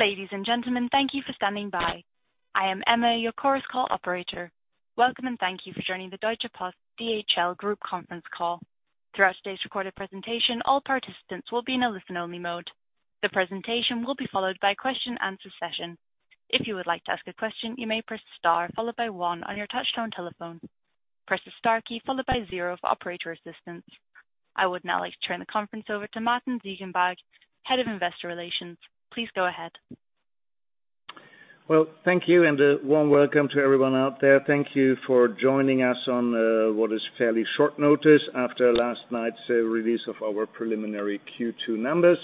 Ladies and gentlemen, thank you for standing by. I am Emma, your Chorus Call operator. Welcome, and thank you for joining the Deutsche Post DHL Group conference call. Throughout today's recorded presentation, all participants will be in a listen-only mode. The presentation will be followed by a question and answer session. If you would like to ask a question, you may press star followed by one on your touch-tone telephone. Press the star key followed by zero for operator assistance. I would now like to turn the conference over to Martin Ziegenbalg, Head of Investor Relations. Please go ahead. Well, thank you, and a warm welcome to everyone out there. Thank you for joining us on what is fairly short notice after last night's release of our preliminary Q2 numbers.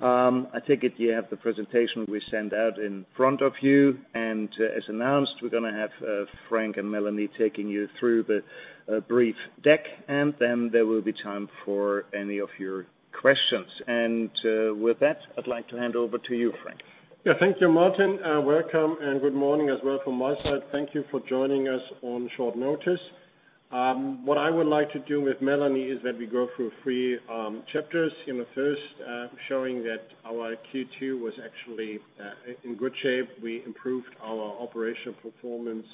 I take it you have the presentation we sent out in front of you, and as announced, we're going to have Frank and Melanie taking you through the brief deck, and then there will be time for any of your questions. With that, I'd like to hand over to you, Frank. Yeah. Thank you, Martin. Welcome and good morning as well from my side. Thank you for joining us on short notice. What I would like to do with Melanie is that we go through three chapters. In the first, showing that our Q2 was actually in good shape. We improved our operational performance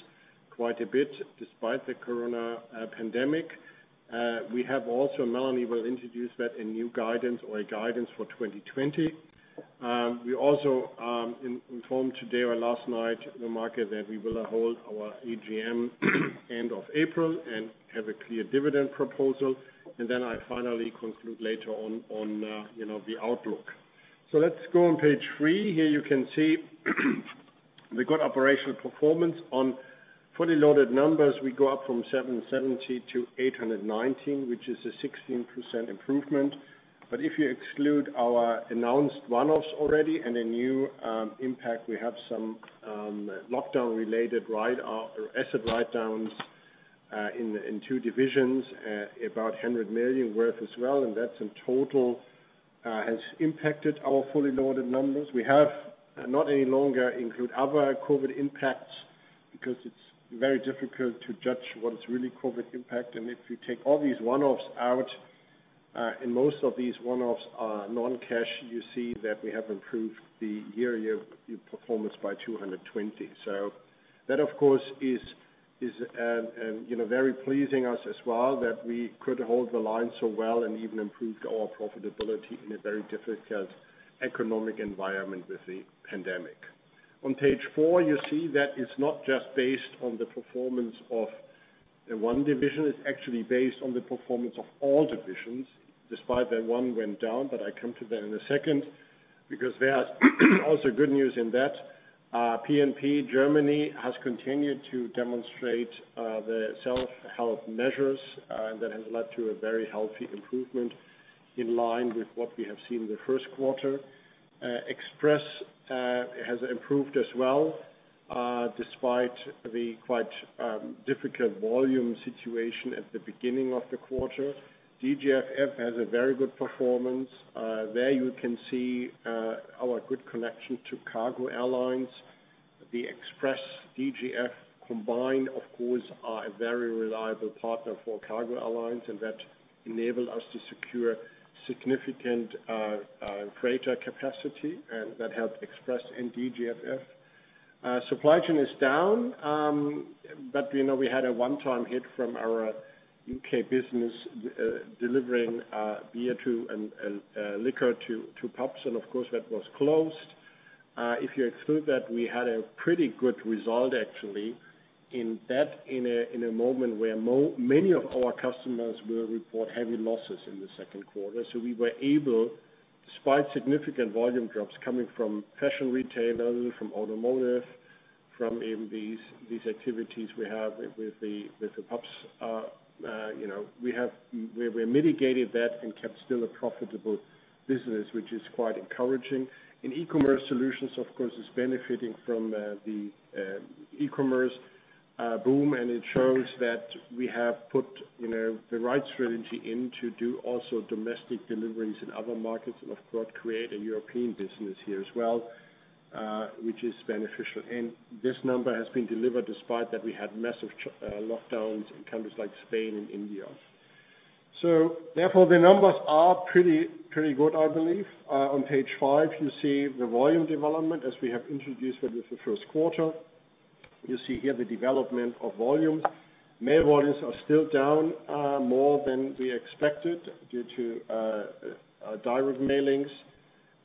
quite a bit despite the coronavirus pandemic. We have also, Melanie will introduce that, a new guidance or a guidance for 2020. We also informed today or last night the market that we will hold our AGM end of April and have a clear dividend proposal. I finally conclude later on the outlook. Let's go on page three. Here you can see the good operational performance. On fully loaded numbers, we go up from 770 to 819, which is a 16% improvement. If you exclude our announced one-offs already and a new impact, we have some lockdown-related asset write-downs in two divisions, about 100 million worth as well. That in total has impacted our fully loaded numbers. We have not any longer include other COVID impacts because it's very difficult to judge what is really COVID impact. If you take all these one-offs out. Most of these one-offs are non-cash. You see that we have improved the year-over-year performance by 220. That of course is very pleasing to us as well that we could hold the line so well and even improved our profitability in a very difficult economic environment with the pandemic. On page four, you see that it's not just based on the performance of one division. It's actually based on the performance of all divisions, despite that one went down, but I come to that in a second because there's also good news in that. P&P Germany has continued to demonstrate the self-help measures, and that has led to a very healthy improvement in line with what we have seen in the first quarter. Express has improved as well, despite the quite difficult volume situation at the beginning of the quarter. DGFF has a very good performance. There you can see our good connection to cargo airlines. The Express/DGF combined, of course, are a very reliable partner for cargo airlines, and that enabled us to secure significant freighter capacity and that helped Express and DGFF. Supply Chain is down, but we had a one-time hit from our U.K. business delivering beer and liquor to pubs, and of course, that was closed. If you exclude that, we had a pretty good result actually in a moment where many of our customers will report heavy losses in the second quarter. We were able, despite significant volume drops coming from fashion retailers, from automotive, from even these activities we have with the pubs. We mitigated that and kept still a profitable business, which is quite encouraging. DHL eCommerce Solutions, of course, is benefiting from the e-commerce boom, and it shows that we have put the right strategy in to do also domestic deliveries in other markets and, of course, create a European business here as well, which is beneficial. This number has been delivered despite that we had massive lockdowns in countries like Spain and India. Therefore, the numbers are pretty good, I believe. On page five, you see the volume development as we have introduced it with the first quarter. You see here the development of volumes. Mail volumes are still down more than we expected due to direct mailings,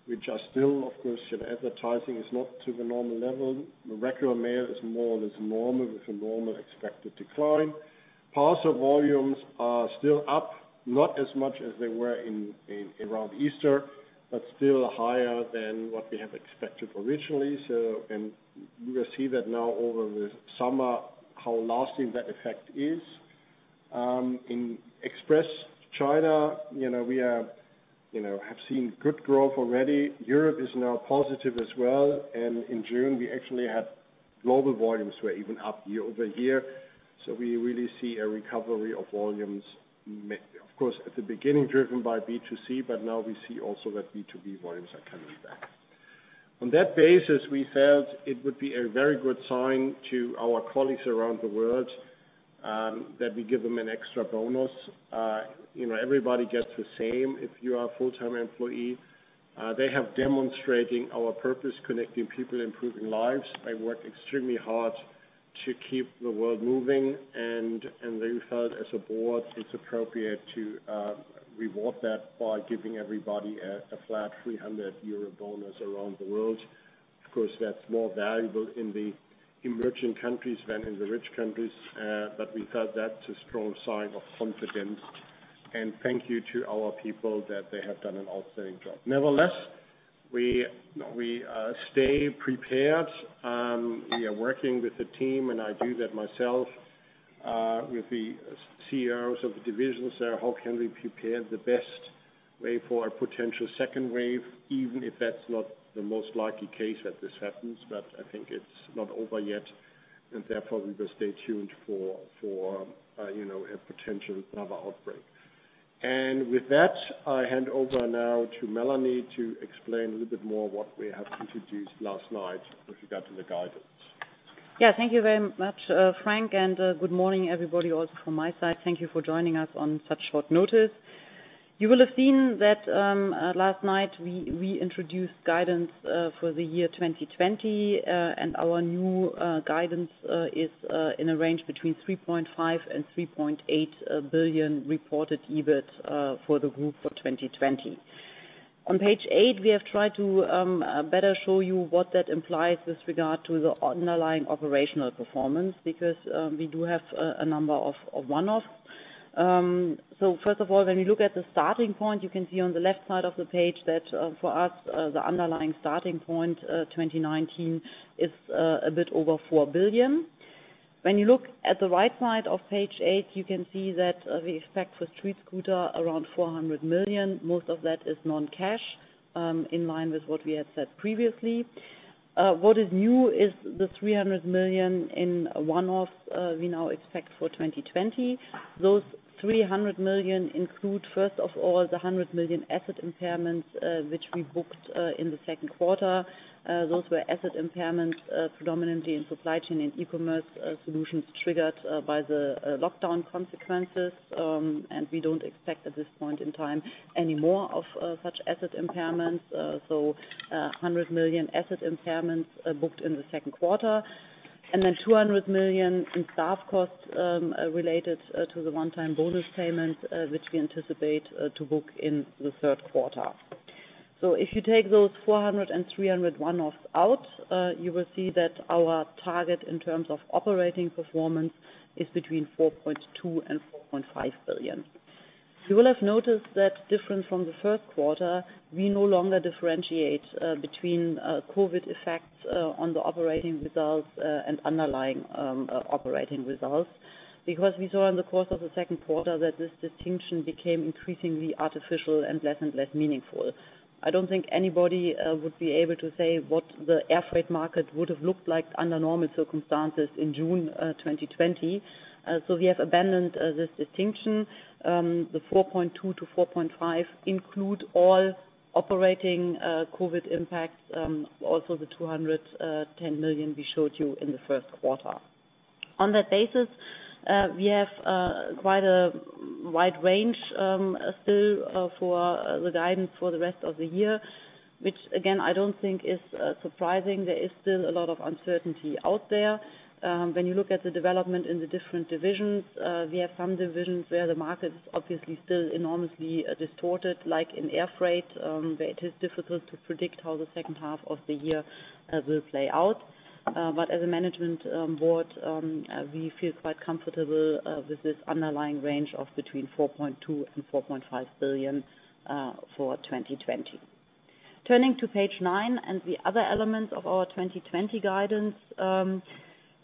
which are still, of course, advertising is not to the normal level. The regular mail is more or less normal with a normal expected decline. Parcel volumes are still up, not as much as they were around Easter, but still higher than what we have expected originally. You will see that now over the summer, how lasting that effect is. In Express China, we have seen good growth already. Europe is now positive as well. In June, we actually had global volumes were even up year-over-year. We really see a recovery of volumes, of course, at the beginning, driven by B2C, but now we see also that B2B volumes are coming back. On that basis, we felt it would be a very good sign to our colleagues around the world that we give them an extra bonus. Everybody gets the same if you are a full-time employee. They have demonstrating our purpose, connecting people, improving lives by work extremely hard to keep the world moving. We felt as a board, it's appropriate to reward that by giving everybody a flat 300 euro bonus around the world. Of course, that's more valuable in the emerging countries than in the rich countries. We felt that's a strong sign of confidence, and thank you to our people that they have done an outstanding job. Nevertheless, we stay prepared. We are working with the team, and I do that myself, with the CEOs of the divisions there. How can we prepare the best way for a potential second wave, even if that's not the most likely case that this happens, but I think it's not over yet, and therefore we will stay tuned for a potential other outbreak. With that, I hand over now to Melanie to explain a little bit more what we have introduced last night with regard to the guidance. Yeah. Thank you very much, Frank, good morning everybody also from my side. Thank you for joining us on such short notice. You will have seen that last night we introduced guidance for the year 2020. Our new guidance is in a range between 3.5 billion and 3.8 billion reported EBIT for the group for 2020. On page eight, we have tried to better show you what that implies with regard to the underlying operational performance, because we do have a number of one-offs. First of all, when you look at the starting point, you can see on the left side of the page that for us, the underlying starting point 2019 is a bit over 4 billion. When you look at the right side of page eight, you can see that we expect for StreetScooter around 400 million. Most of that is non-cash, in line with what we had said previously. What is new is the 300 million in one-off we now expect for 2020. Those 300 million include, first of all, the 100 million asset impairments, which we booked in the second quarter. Those were asset impairments predominantly in Supply Chain and eCommerce Solutions triggered by the lockdown consequences. We don't expect at this point in time any more of such asset impairments. 100 million asset impairments booked in the second quarter, then 200 million in staff costs, related to the one-time bonus payment, which we anticipate to book in the third quarter. If you take those 400 and 300 one-offs out, you will see that our target in terms of operating performance is between 4.2 billion and 4.5 billion. You will have noticed that different from the first quarter, we no longer differentiate between COVID effects on the operating results and underlying operating results because we saw in the course of the second quarter that this distinction became increasingly artificial and less and less meaningful. I don't think anybody would be able to say what the air freight market would've looked like under normal circumstances in June 2020. We have abandoned this distinction. The 4.2-4.5 include all operating COVID impacts. Also the 210 million we showed you in the first quarter. On that basis, we have quite a wide range, still for the guidance for the rest of the year, which again, I don't think is surprising. There is still a lot of uncertainty out there. When you look at the development in the different divisions, we have some divisions where the market's obviously still enormously distorted, like in air freight, where it is difficult to predict how the second half of the year will play out. As a management board, we feel quite comfortable with this underlying range of between 4.2 billion and 4.5 billion, for 2020. Turning to page nine and the other elements of our 2020 guidance.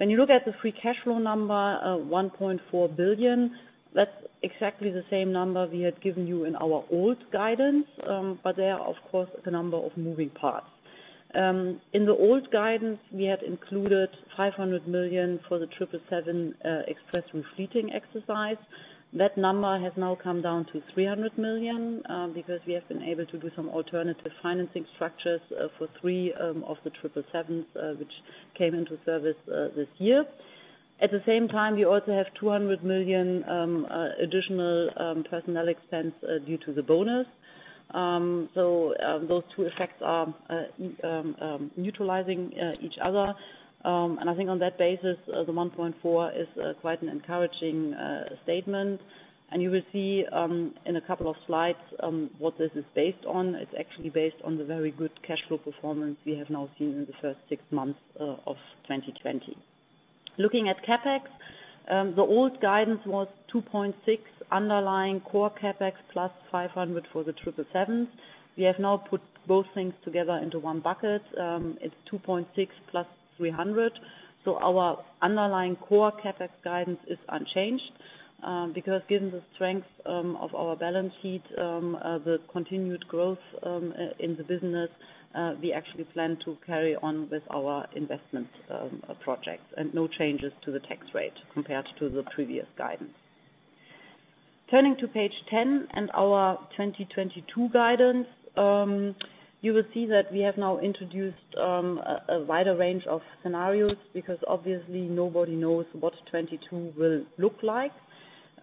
When you look at the free cash flow number, 1.4 billion, that's exactly the same number we had given you in our old guidance. There are of course, a number of moving parts. In the old guidance, we had included 500 million for the 777 Express refleeting exercise. That number has now come down to 300 million, because we have been able to do some alternative financing structures for three of the 777s, which came into service this year. At the same time, we also have 200 million additional personnel expense due to the bonus. Those two effects are neutralizing each other. I think on that basis, the 1.4 is quite an encouraging statement. You will see in a couple of slides, what this is based on. It's actually based on the very good cash flow performance we have now seen in the first six months of 2020. Looking at CapEx, the old guidance was 2.6 underlying core CapEx plus 500 for the 777. We have now put both things together into one bucket. It's 2.6 plus 300. Our underlying core CapEx guidance is unchanged, because given the strength of our balance sheet, the continued growth in the business, we actually plan to carry on with our investment projects and no changes to the tax rate compared to the previous guidance. Turning to page 10 and our 2022 guidance. You will see that we have now introduced a wider range of scenarios because obviously nobody knows what 2022 will look like.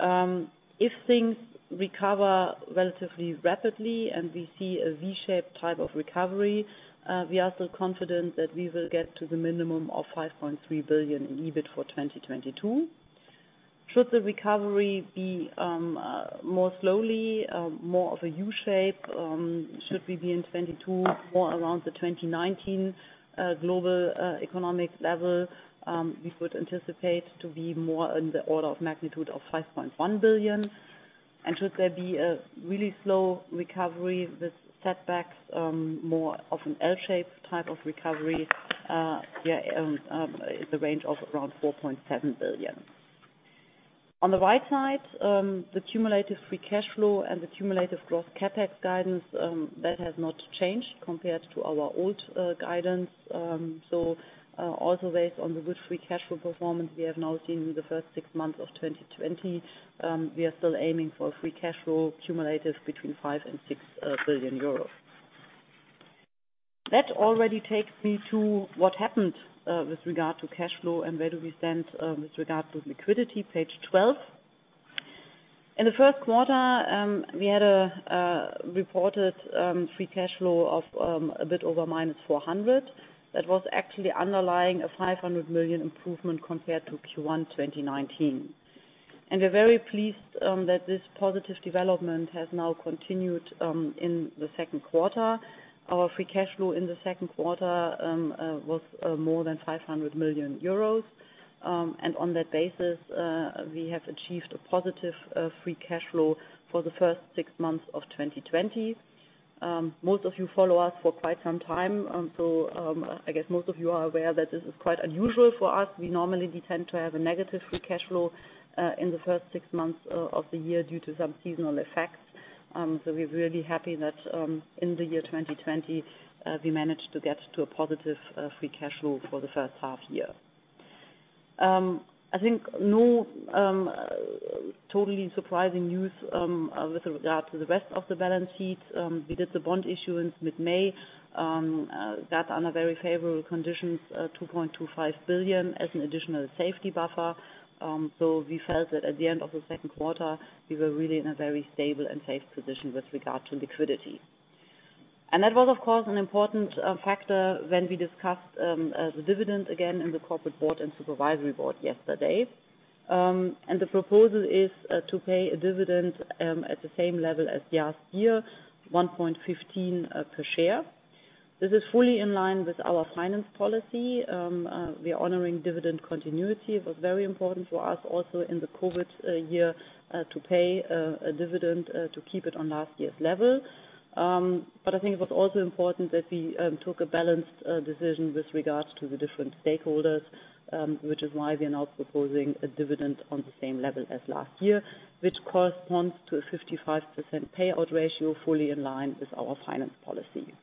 If things recover relatively rapidly and we see a V-shaped type of recovery, we are still confident that we will get to the minimum of 5.3 billion in EBIT for 2022. Should the recovery be more slowly, more of a U-shape, should we be in 2022, more around the 2019 global economic level, we would anticipate to be more in the order of magnitude of 5.1 billion. Should there be a really slow recovery with setbacks, more of an L-shaped type of recovery, the range of around 4.7 billion. On the right side, the cumulative free cash flow and the cumulative growth CapEx guidance, that has not changed compared to our old guidance. Also based on the good free cash flow performance we have now seen in the first six months of 2020, we are still aiming for free cash flow cumulative between five and 6 billion euros. That already takes me to what happened with regard to cash flow and where do we stand with regard to liquidity, page 12. In the first quarter, we had a reported free cash flow of a bit over minus 400. That was actually underlying a 500 million improvement compared to Q1 2019. We're very pleased that this positive development has now continued in the second quarter. Our free cash flow in the second quarter was more than 500 million euros. On that basis, we have achieved a positive free cash flow for the first six months of 2020. Most of you follow us for quite some time, I guess most of you are aware that this is quite unusual for us. We normally tend to have a negative free cash flow, in the first six months of the year due to some seasonal effects. We're really happy that in the year 2020, we managed to get to a positive free cash flow for the first half year. I think, no totally surprising news, with regard to the rest of the balance sheet. We did the bond issuance mid-May, that under very favorable conditions, 2.25 billion as an additional safety buffer. We felt that at the end of the second quarter, we were really in a very stable and safe position with regard to liquidity. That was, of course, an important factor when we discussed the dividend again in the corporate board and supervisory board yesterday. The proposal is to pay a dividend at the same level as last year, 1.15 per share. This is fully in line with our finance policy. We are honoring dividend continuity. It was very important for us also in the COVID year, to pay a dividend, to keep it on last year's level. I think it was also important that we took a balanced decision with regards to the different stakeholders, which is why we are now proposing a dividend on the same level as last year, which corresponds to a 55% payout ratio fully in line with our finance policy.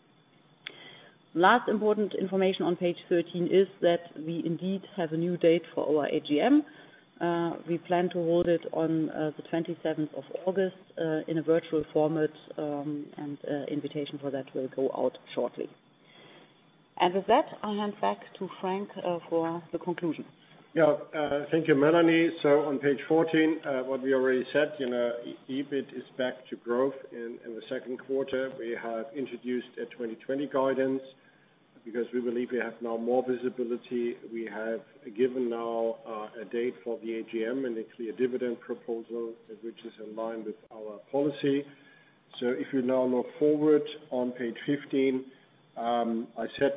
Last important information on page 13 is that we indeed have a new date for our AGM. We plan to hold it on the 27th of August, in a virtual format. Invitation for that will go out shortly. With that, I hand back to Frank, for the conclusion. Thank you, Melanie. On page 14, what we already said, EBIT is back to growth in the second quarter. We have introduced a 2020 guidance because we believe we have now more visibility. We have given now a date for the AGM, and it's a dividend proposal, which is in line with our policy. If you now look forward on page 15, I said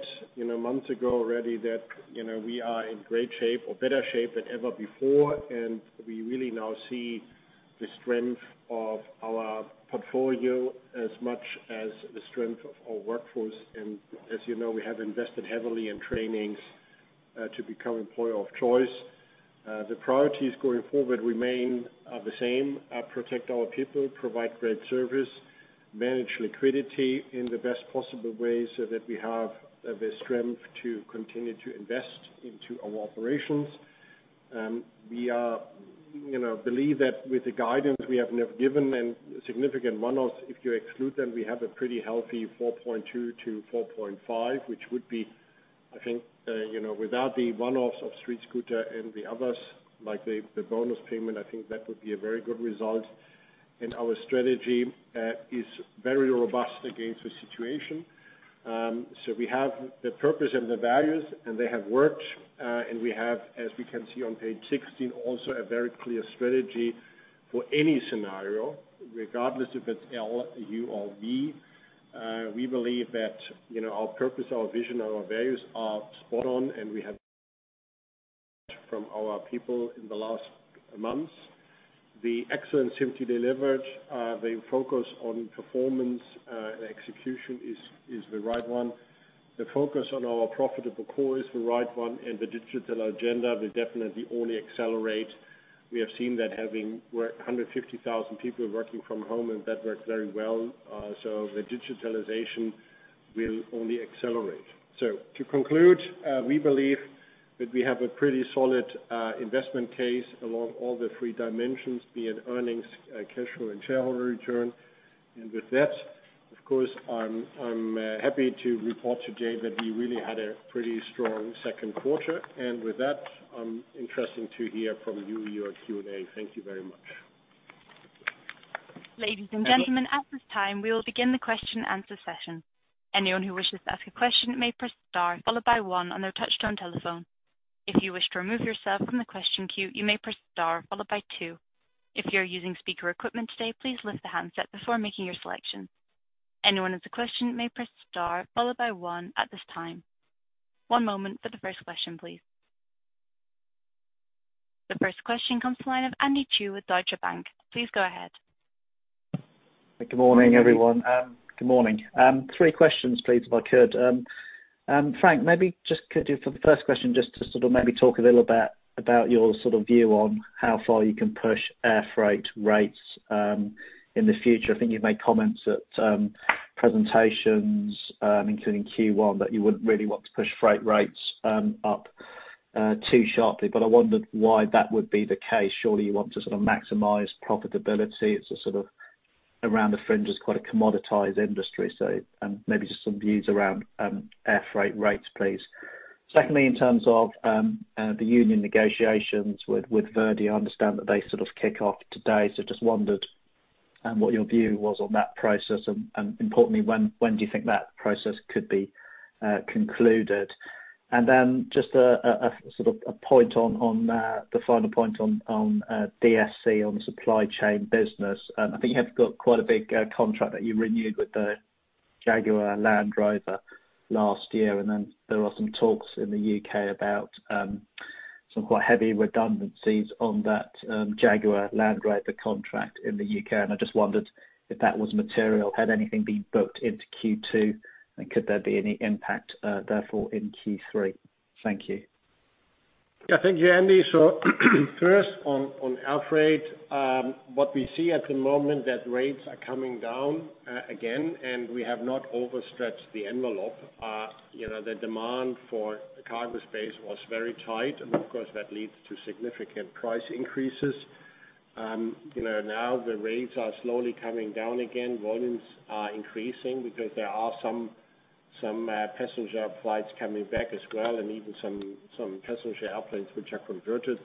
months ago already that we are in great shape or better shape than ever before, we really now see the strength of our portfolio as much as the strength of our workforce. As you know, we have invested heavily in trainings to become employer of choice. The priorities going forward remain the same. Protect our people, provide great service, manage liquidity in the best possible way so that we have the strength to continue to invest into our operations. We believe that with the guidance we have never given and significant one-offs, if you exclude them, we have a pretty healthy 4.2-4.5, which would be, I think, without the one-offs of StreetScooter and the others, like the bonus payment, I think that would be a very good result. Our strategy is very robust against the situation. We have the purpose and the values. They have worked. We have, as we can see on page 16, also a very clear strategy for any scenario, regardless if it's L, U, or V. We believe that our purpose, our vision, our values are spot on, and we have from our people in the last months the excellent [safety leverage]. The focus on performance, and execution is the right one. The focus on our profitable core is the right one, and the digital agenda will definitely only accelerate. We have seen that having 150,000 people working from home and that works very well. The digitalization will only accelerate. To conclude, we believe that we have a pretty solid investment case along all the three dimensions, be it earnings, cash flow and shareholder return. With that, of course, I'm happy to report today that we really had a pretty strong second quarter. With that, I'm interested to hear from you, your Q&A. Thank you very much. Ladies and gentlemen, at this time we will begin the question answer session. Anyone who wishes to ask a question may press star followed by one on their touch-tone telephone. If you wish to remove yourself from the question queue, you may press star followed by two. If you're using speaker equipment today, please lift the handset before making your selection. Anyone who has a question may press star followed by one at this time. One moment for the first question, please. The first question comes to the line of Andy Chu with Deutsche Bank. Please go ahead. Good morning, everyone. Good morning. Three questions please, if I could. Frank, maybe just could you, for the first question, just to sort of maybe talk a little bit about your sort of view on how far you can push air freight rates in the future. I think you've made comments at presentations, including Q1, that you wouldn't really want to push freight rates up too sharply, but I wondered why that would be the case. Surely you want to sort of maximize profitability. It's a sort of around the fringe, it's quite a commoditized industry. Maybe just some views around air freight rates, please. Secondly, in terms of the union negotiations with Verdi, I understand that they sort of kick off today, so just wondered what your view was on that process and importantly, when do you think that process could be concluded? Just the final point on DSC, on the supply chain business. I think you have got quite a big contract that you renewed with the Jaguar Land Rover last year. There are some talks in the U.K. about some quite heavy redundancies on that Jaguar Land Rover contract in the U.K. I just wondered if that was material, had anything been booked into Q2 and could there be any impact, therefore in Q3? Thank you. Yeah. Thank you, Andy. First on air freight, what we see at the moment that rates are coming down again, and we have not overstretched the envelope. The demand for cargo space was very tight and of course that leads to significant price increases. Now the rates are slowly coming down again, volumes are increasing because there are some passenger flights coming back as well and even some passenger airplanes which are converted.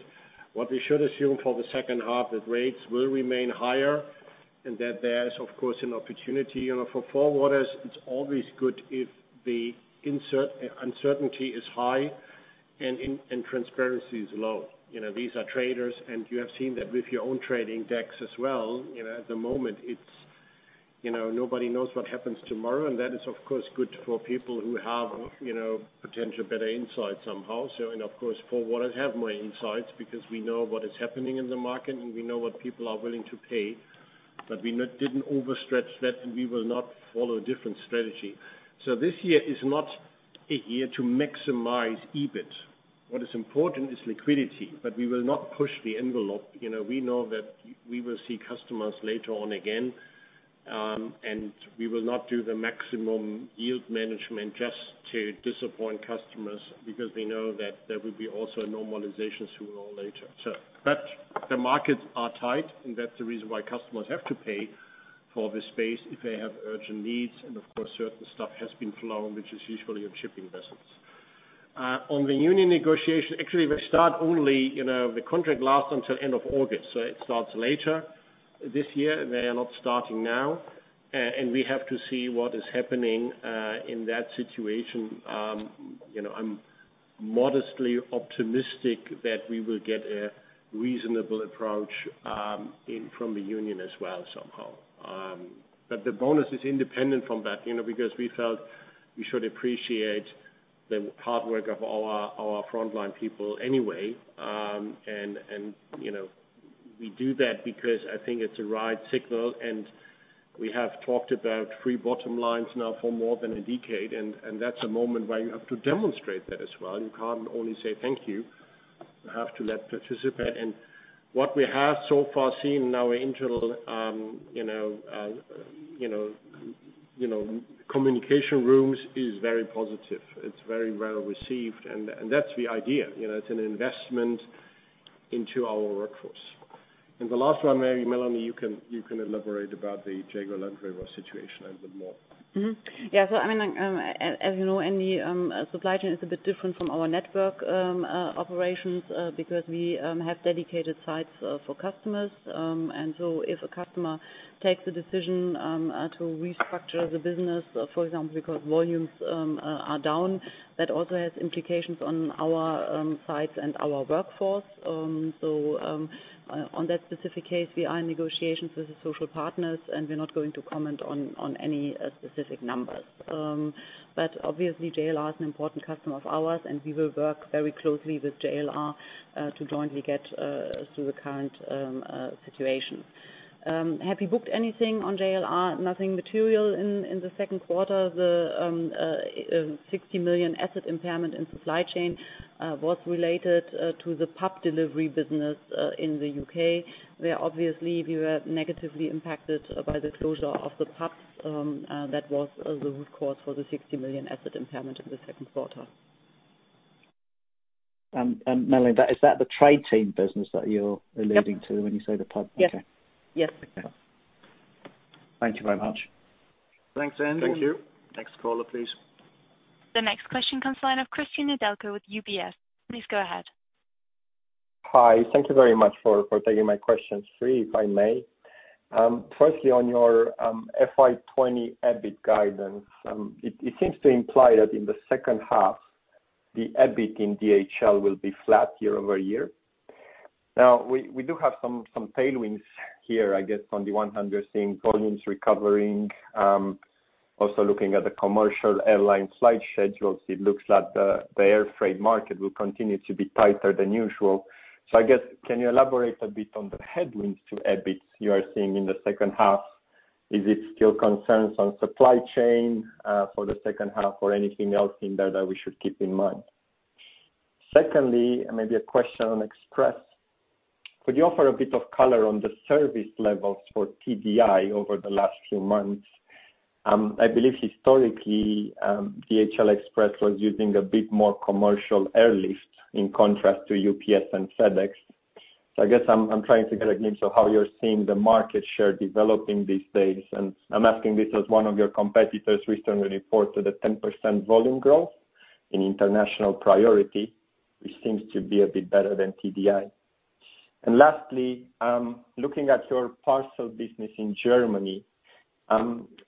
What we should assume for the second half, that rates will remain higher and that there is of course an opportunity. For forwarders it's always good if the uncertainty is high and transparency is low. These are traders and you have seen that with your own trading decks as well. At the moment, nobody knows what happens tomorrow and that is of course good for people who have potential better insight somehow. And of course, forwarders have more insights because we know what is happening in the market and we know what people are willing to pay. We didn't overstretch that, and we will not follow a different strategy. This year is not a year to maximize EBIT. What is important is liquidity, but we will not push the envelope. We know that we will see customers later on again, and we will not do the maximum yield management just to disappoint customers because we know that there will be also a normalization sooner or later. The markets are tight and that's the reason why customers have to pay for the space if they have urgent needs and of course certain stuff has been flown, which is usually on shipping vessels. On the union negotiation, actually they start only, the contract lasts until end of August. It starts later this year. They are not starting now and we have to see what is happening in that situation. I'm modestly optimistic that we will get a reasonable approach from the union as well somehow. The bonus is independent from that because we felt we should appreciate the hard work of our frontline people anyway. We do that because I think it's a right signal and we have talked about three bottom lines now for more than a decade and that's a moment where you have to demonstrate that as well. You can't only say thank you. You have to let participate and what we have so far seen in our internal communication rooms is very positive. It's very well received and that's the idea. It's an investment into our workforce. The last one, maybe Melanie you can elaborate about the Jaguar Land Rover situation a little bit more. I mean, as you know, Andy, DHL Supply Chain is a bit different from our network operations because we have dedicated sites for customers. If a customer takes the decision to restructure the business, for example, because volumes are down, that also has implications on our sites and our workforce. On that specific case, we are in negotiations with the social partners and we're not going to comment on any specific numbers. Obviously JLR is an important customer of ours and we will work very closely with JLR to jointly get through the current situation. Have you booked anything on JLR? Nothing material in the second quarter. The 60 million asset impairment in DHL Supply Chain was related to the Tradeteam business in the U.K., where obviously we were negatively impacted by the closure of the pubs. That was the root cause for the 60 million asset impairment in the second quarter. Melanie, is that the Tradeteam business that you're alluding to when you say the pub? Yes. Okay. Yes. Thank you very much. Thanks, Andrew. Thank you. Next caller, please. The next question comes from the line of Cristian Nedelcu with UBS. Please go ahead. Hi. Thank you very much for taking my questions. Three, if I may. Firstly, on your FY 2020 EBIT guidance. It seems to imply that in the second half, the EBIT in DHL will be flat year-over-year. We do have some tailwinds here, I guess, on the 100 seeing volumes recovering. Looking at the commercial airline flight schedules, it looks like the air freight market will continue to be tighter than usual. I guess, can you elaborate a bit on the headwinds to EBIT you are seeing in the second half? Is it still concerns on supply chain, for the second half or anything else in there that we should keep in mind? Secondly, maybe a question on Express. Could you offer a bit of color on the service levels for TDI over the last few months? I believe historically, DHL Express was using a bit more commercial airlift in contrast to UPS and FedEx. I guess I'm trying to get a glimpse of how you're seeing the market share developing these days. I'm asking this as one of your competitors recently report to the 10% volume growth in international priority, which seems to be a bit better than TDI. Lastly, looking at your parcel business in Germany,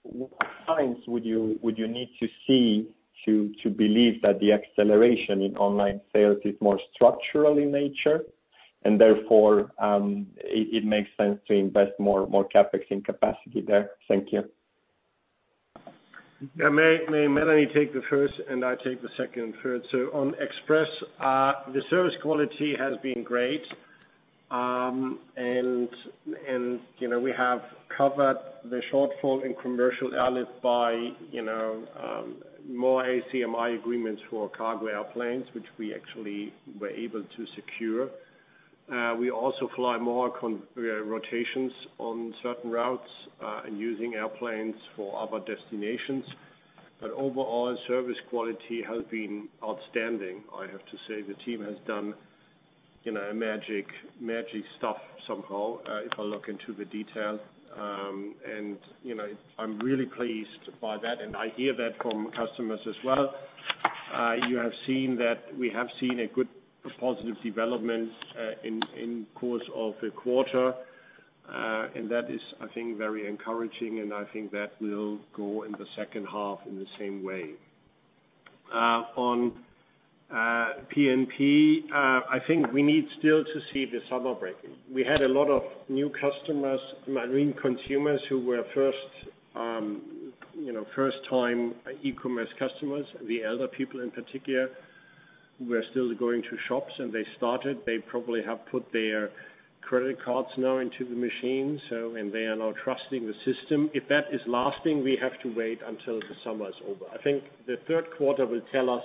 what signs would you need to see to believe that the acceleration in online sales is more structural in nature, and therefore, it makes sense to invest more CapEx in capacity there? Thank you. May Melanie take the first, and I take the second and third. On Express, the service quality has been great. We have covered the shortfall in commercial airlift by more ACMI agreements for cargo airplanes, which we actually were able to secure. We also fly more rotations on certain routes, and using airplanes for other destinations. Overall, service quality has been outstanding. I have to say, the team has done magic stuff somehow, if I look into the details. I'm really pleased by that, and I hear that from customers as well. You have seen that we have seen a good positive development in course of the quarter. That is, I think, very encouraging, and I think that will go in the second half in the same way. On P&P, I think we need still to see the summer break-in. We had a lot of new customers, many consumers who were first-time e-commerce customers. The elder people in particular, who were still going to shops and they started, they probably have put their credit cards now into the machine. They are now trusting the system. If that is lasting, we have to wait until the summer is over. I think the third quarter will tell us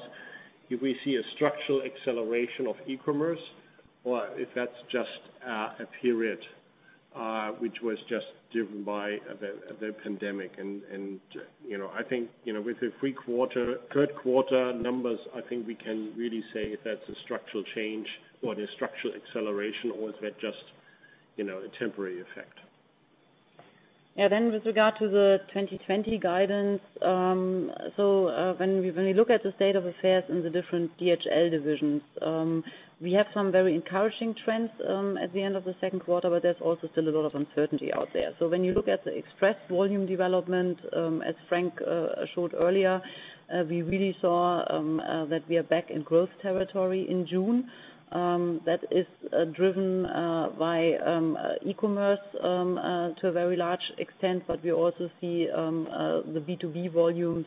if we see a structural acceleration of e-commerce or if that's just a period, which was just driven by the pandemic. I think, with the third quarter numbers, I think we can really say if that's a structural change or the structural acceleration, or is that just a temporary effect. Yeah. With regard to the 2020 guidance, when we look at the state of affairs in the different DHL divisions, we have some very encouraging trends, at the end of the second quarter. There's also still a lot of uncertainty out there. When you look at the Express volume development, as Frank, showed earlier, we really saw that we are back in growth territory in June. That is driven by e-commerce to a very large extent, but we also see the B2B volumes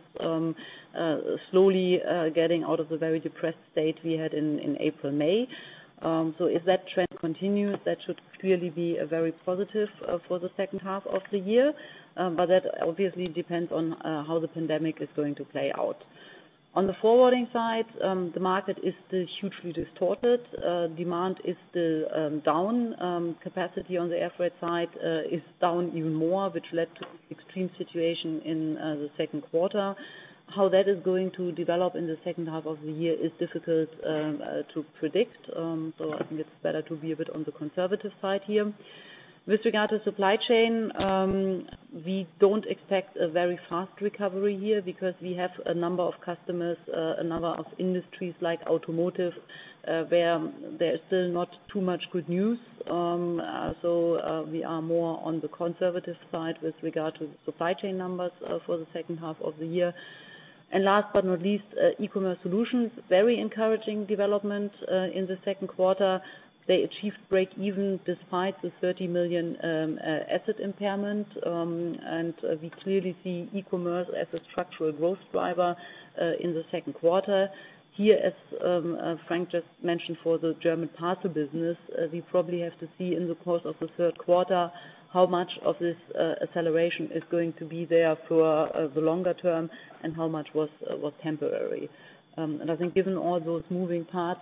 slowly getting out of the very depressed state we had in April, May. If that trend continues, that should clearly be a very positive for the second half of the year. That obviously depends on how the pandemic is going to play out. On the forwarding side, the market is still hugely distorted. Demand is still down. Capacity on the air freight side, is down even more, which led to the extreme situation in the second quarter. How that is going to develop in the second half of the year is difficult to predict. I think it's better to be a bit on the conservative side here. With regard to supply chain, we don't expect a very fast recovery here because we have a number of customers, a number of industries like automotive, where there's still not too much good news. We are more on the conservative side with regard to supply chain numbers for the second half of the year. Last but not least, eCommerce Solutions, very encouraging development, in the second quarter. They achieved break even despite the 30 million asset impairment. We clearly see eCommerce as a structural growth driver in the second quarter. Here, as Frank just mentioned for the German parcel business, we probably have to see in the course of the third quarter how much of this acceleration is going to be there for the longer term and how much was temporary. I think given all those moving parts,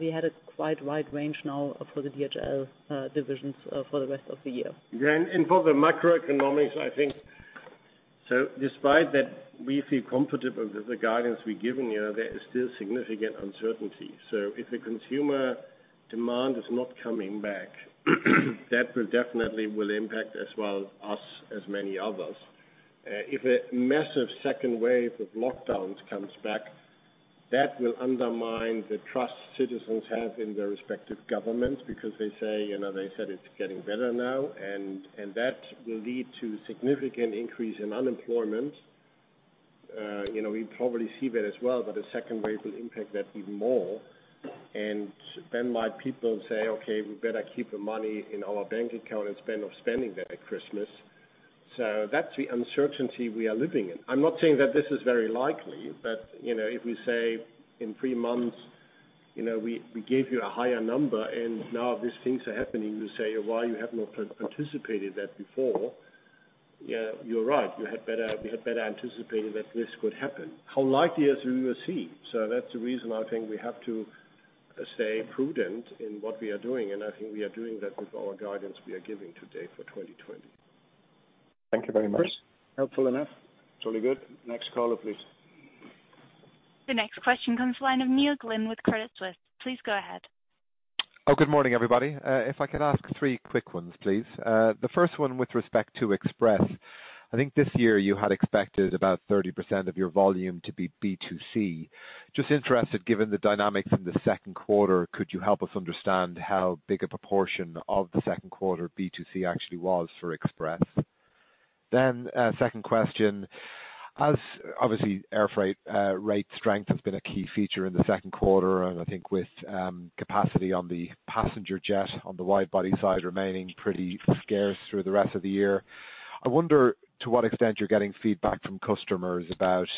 we had a quite wide range now for the DHL divisions for the rest of the year. For the macroeconomics, despite that, we feel comfortable with the guidance we've given you, there is still significant uncertainty. If the consumer demand is not coming back, that will definitely impact as well us, as many others. If a massive second wave of lockdowns comes back, that will undermine the trust citizens have in their respective governments because they said it's getting better now, that will lead to significant increase in unemployment. We probably see that as well, a second wave will impact that even more. My people say, "Okay, we better keep the money in our bank account instead of spending that at Christmas." That's the uncertainty we are living in. I'm not saying that this is very likely, but, if we say in three months, we gave you a higher number, and now these things are happening, you say, "Why you have not participated that before?" Yeah, you're right. We had better anticipated that this could happen. How likely is we will see? That's the reason I think we have to stay prudent in what we are doing, and I think we are doing that with our guidance we are giving today for 2020. Thank you very much. Chris, helpful enough? It's really good. Next caller, please. The next question comes the line of Neil Glynn with Credit Suisse. Please go ahead. Good morning, everybody. If I could ask three quick ones, please. The first one with respect to Express. I think this year you had expected about 30% of your volume to be B2C. Just interested, given the dynamics in the second quarter, could you help us understand how big a proportion of the second quarter B2C actually was for Express? Second question, as obviously air freight rate strength has been a key feature in the second quarter, and I think with capacity on the passenger jet on the wide-body side remaining pretty scarce through the rest of the year, I wonder to what extent you're getting feedback from customers about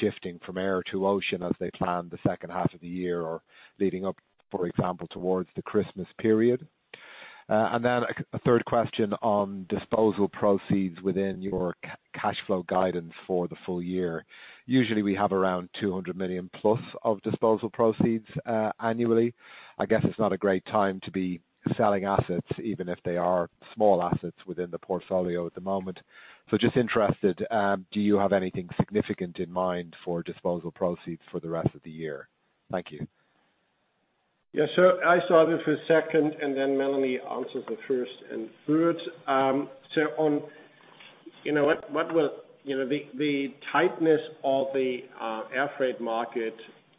shifting from air to ocean as they plan the second half of the year or leading up, for example, towards the Christmas period. A third question on disposal proceeds within your cash flow guidance for the full year. Usually, we have around 200 million-plus of disposal proceeds annually. I guess it's not a great time to be selling assets, even if they are small assets within the portfolio at the moment. Just interested, do you have anything significant in mind for disposal proceeds for the rest of the year? Thank you. Yeah, sure. I start with the second. Then Melanie answers the first and third. The tightness of the air freight market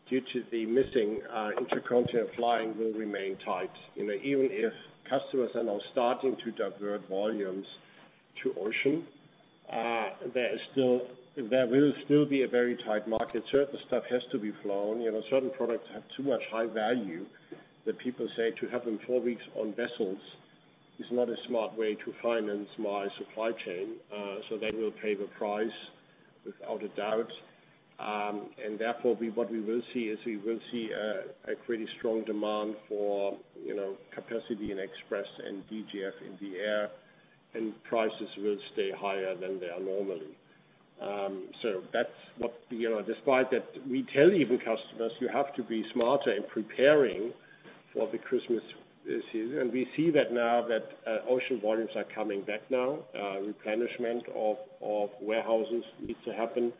due to the missing intercontinental flying will remain tight. Even if customers are now starting to divert volumes to ocean, there will still be a very tight market. Certain stuff has to be flown. Certain products have too much high value that people say to have them four weeks on vessels is not a smart way to finance my supply chain. They will pay the price without a doubt. Therefore, what we will see is we will see a pretty strong demand for capacity in Express and DGF in the air, and prices will stay higher than they are normally. Despite that, we tell even customers, you have to be smarter in preparing for the Christmas season. We see that now that ocean volumes are coming back now. Replenishment of warehouses needs to happen.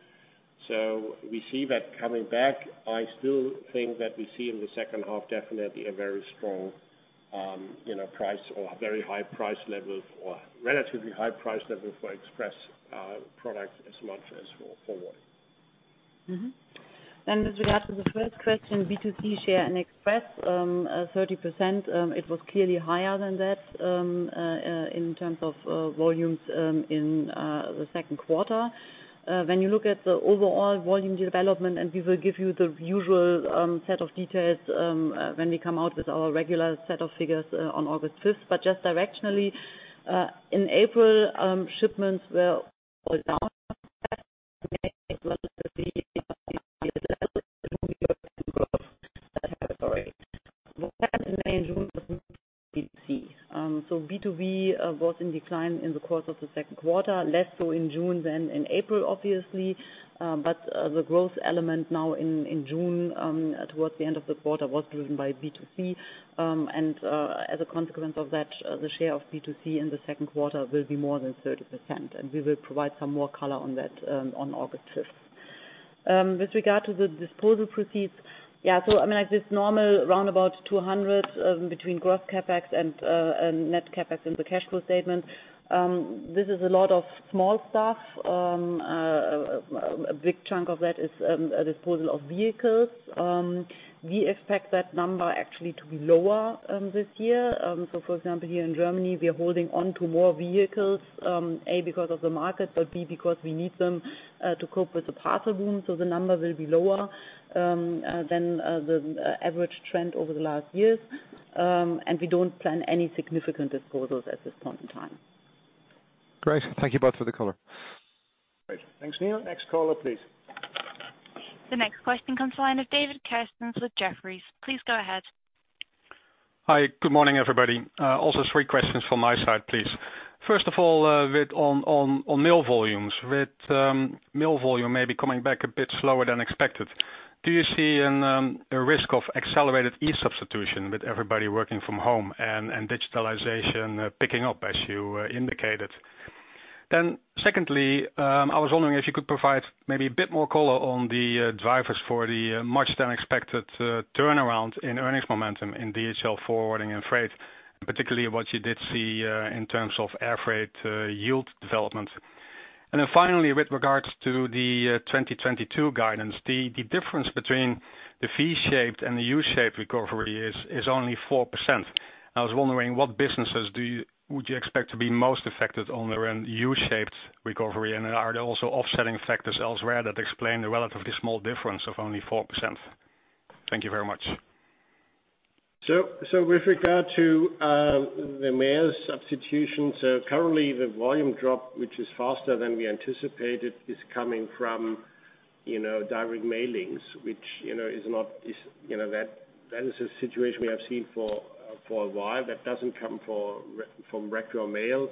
We see that coming back. I still think that we see in the second half definitely a relatively high price level for Express products as much as for volume. Mm-hmm. With regard to the first question, B2C share and Express, 30%, it was clearly higher than that in terms of volumes in the second quarter. When you look at the overall volume development, and we will give you the usual set of details when we come out with our regular set of figures on August 5th. Just directionally, in April, shipments were down. B2B was in decline in the course of the second quarter, less so in June than in April, obviously. The growth element now in June, towards the end of the quarter was driven by B2C. As a consequence of that, the share of B2C in the second quarter will be more than 30%, and we will provide some more color on that, on August 5th. With regard to the disposal proceeds. Yeah, this normal roundabout 200 between gross CapEx and net CapEx in the cash flow statement. This is a lot of small stuff. A big chunk of that is a disposal of vehicles. We expect that number actually to be lower this year. For example, here in Germany, we are holding on to more vehicles, A, because of the market, but B, because we need them to cope with the parcel boom. The number will be lower than the average trend over the last years. We don't plan any significant disposals at this point in time. Great. Thank you both for the color. Great. Thanks, Neil. Next caller, please. The next question comes the line of David Kerstens with Jefferies. Please go ahead. Hi, good morning, everybody. Three questions from my side, please. First of all, on mail volumes. With mail volume maybe coming back a bit slower than expected. Do you see a risk of accelerated e-substitution with everybody working from home and digitalization picking up as you indicated? Secondly, I was wondering if you could provide maybe a bit more color on the drivers for the much than expected turnaround in earnings momentum in DHL Global Forwarding, Freight, particularly what you did see in terms of air freight yield development. Finally, with regards to the 2022 guidance, the difference between the V-shaped and the U-shaped recovery is only 4%. I was wondering, what businesses would you expect to be most affected on the U-shaped recovery, and are there also offsetting factors elsewhere that explain the relatively small difference of only 4%? Thank you very much. With regard to the mail substitution. Currently the volume drop, which is faster than we anticipated, is coming from direct mailings, that is a situation we have seen for a while that doesn't come from regular mail.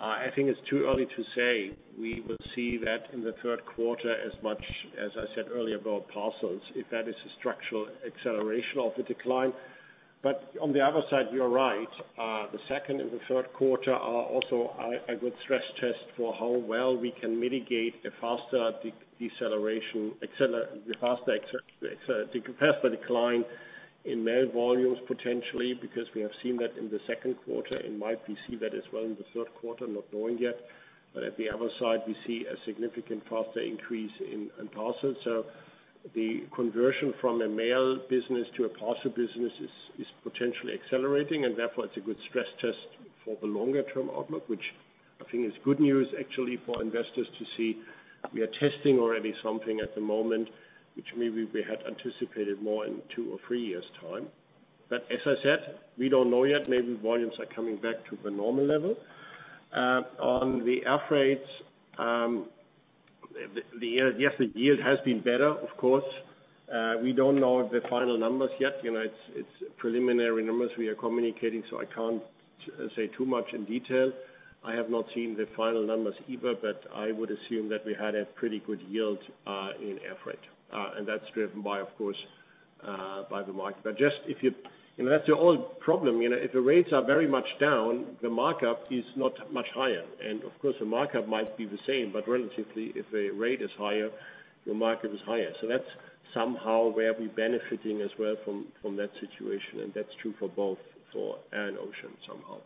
I think it's too early to say we will see that in the third quarter as much as I said earlier about parcels, if that is a structural acceleration of the decline. On the other side, you're right. The second and the third quarter are also a good stress test for how well we can mitigate the faster decline in mail volumes, potentially because we have seen that in the second quarter and might we see that as well in the third quarter, not knowing yet. At the other side, we see a significant faster increase in parcels. The conversion from a mail business to a parcel business is potentially accelerating and therefore it's a good stress test for the longer term outlook, which I think is good news actually for investors to see. We are testing already something at the moment which maybe we had anticipated more in two or three years' time. As I said, we don't know yet. Maybe volumes are coming back to the normal level. On the air freights, yes, the yield has been better, of course. We don't know the final numbers yet. It's preliminary numbers we are communicating, so I can't say too much in detail. I have not seen the final numbers either. I would assume that we had a pretty good yield in air freight. That's driven by, of course, by the market. That's the old problem. If the rates are very much down, the markup is not much higher. Of course, the markup might be the same, but relatively, if the rate is higher, the markup is higher. That's somehow where we're benefiting as well from that situation. That's true for both for air and ocean, somehow.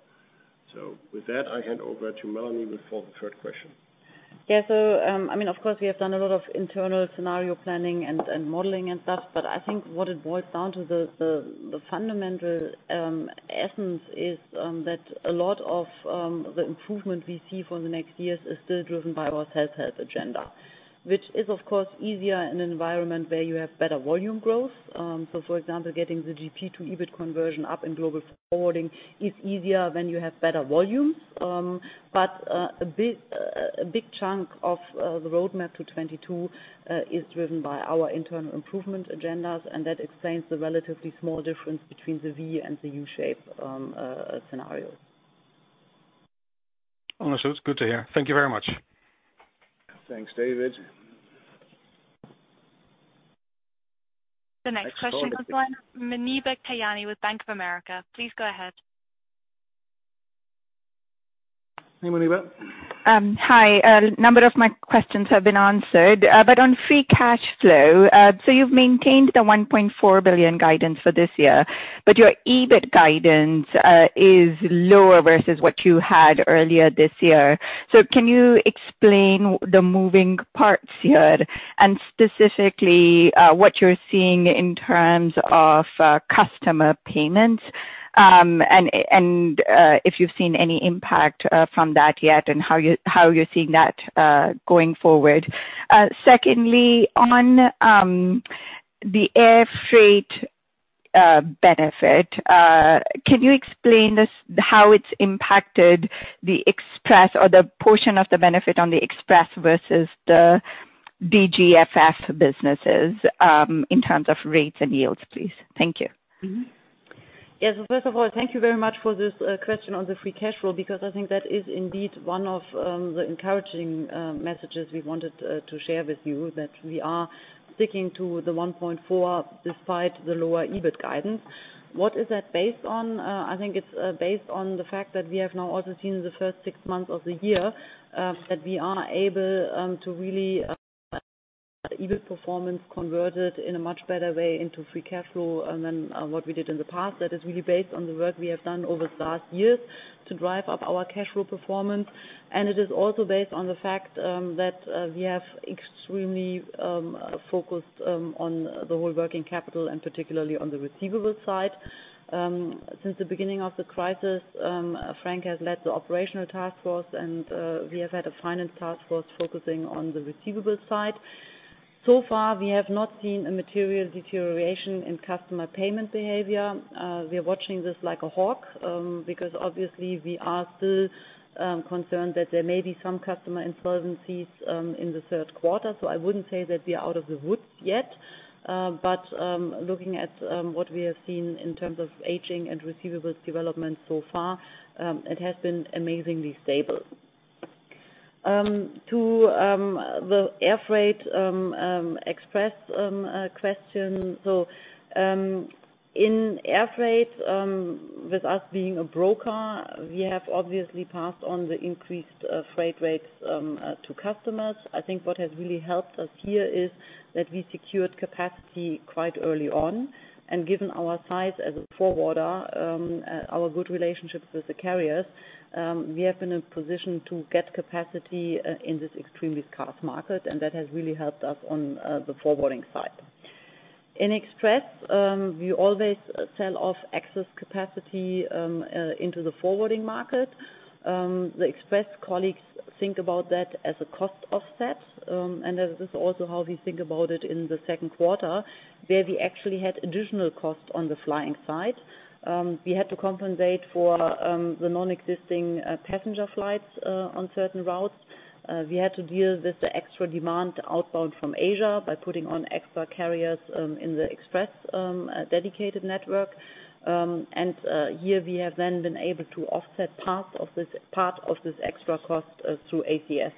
With that, I hand over to Melanie before the third question. Yeah. Of course we have done a lot of internal scenario planning and modeling and stuff, but I think what it boils down to, the fundamental essence is that a lot of the improvement we see for the next years is still driven by our Health agenda. Which is, of course, easier in an environment where you have better volume growth. For example, getting the GP to EBIT conversion up in global forwarding is easier when you have better volumes. A big chunk of the roadmap to 2022 is driven by our internal improvement agendas, and that explains the relatively small difference between the V and the U-shape scenarios. It's good to hear. Thank you very much. Thanks, David. The next question comes from Muneeba Kayani with Bank of America. Please go ahead. Hey, Muneeba. Hi. A number of my questions have been answered, on free cash flow. You've maintained the 1.4 billion guidance for this year, your EBIT guidance is lower versus what you had earlier this year. Can you explain the moving parts here and specifically what you're seeing in terms of customer payments? If you've seen any impact from that yet and how you're seeing that going forward. Secondly, on the air freight benefit, can you explain how it's impacted the portion of the benefit on the Express versus the DGFF businesses, in terms of rates and yields, please? Thank you. Yes. First of all, thank you very much for this question on the free cash flow because I think that is indeed one of the encouraging messages we wanted to share with you that we are sticking to the 1.4 despite the lower EBIT guidance. What is that based on? I think it's based on the fact that we have now also seen in the first six months of the year that we are able to really, the EBIT performance converted in a much better way into free cash flow than what we did in the past. That is really based on the work we have done over the last years to drive up our cash flow performance. It is also based on the fact that we have extremely focused on the whole working capital and particularly on the receivables side. Since the beginning of the crisis, Frank has led the operational task force and we have had a finance task force focusing on the receivables side. Far, we have not seen a material deterioration in customer payment behavior. We are watching this like a hawk because obviously we are still concerned that there may be some customer insolvencies in the third quarter. I wouldn't say that we are out of the woods yet. Looking at what we have seen in terms of aging and receivables development so far, it has been amazingly stable. To the air freight Express question. In air freight, with us being a broker, we have obviously passed on the increased freight rates to customers. I think what has really helped us here is that we secured capacity quite early on. Given our size as a forwarder, our good relationships with the carriers, we have been in a position to get capacity in this extremely scarce market. That has really helped us on the forwarding side. In Express, we always sell off excess capacity into the forwarding market. The Express colleagues think about that as a cost offset. That is also how we think about it in the second quarter, where we actually had additional costs on the flying side. We had to compensate for the non-existing passenger flights on certain routes. We had to deal with the extra demand outbound from Asia by putting on extra carriers in the Express dedicated network. Here we have then been able to offset part of this extra cost through ACS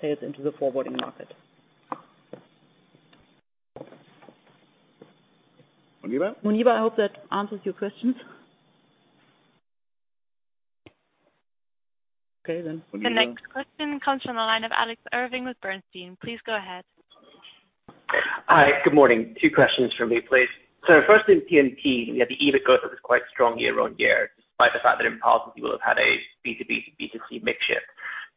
sales into the forwarding market. Muneeba? Muneeba, I hope that answers your questions. Okay. Muneeba. The next question comes from the line of Alex Irving with Bernstein. Please go ahead. Hi, good morning. Two questions from me, please. Firstly, P&P, the EBITDA growth was quite strong year-over-year, despite the fact that in parcel you will have had a B2B, B2C mix shift.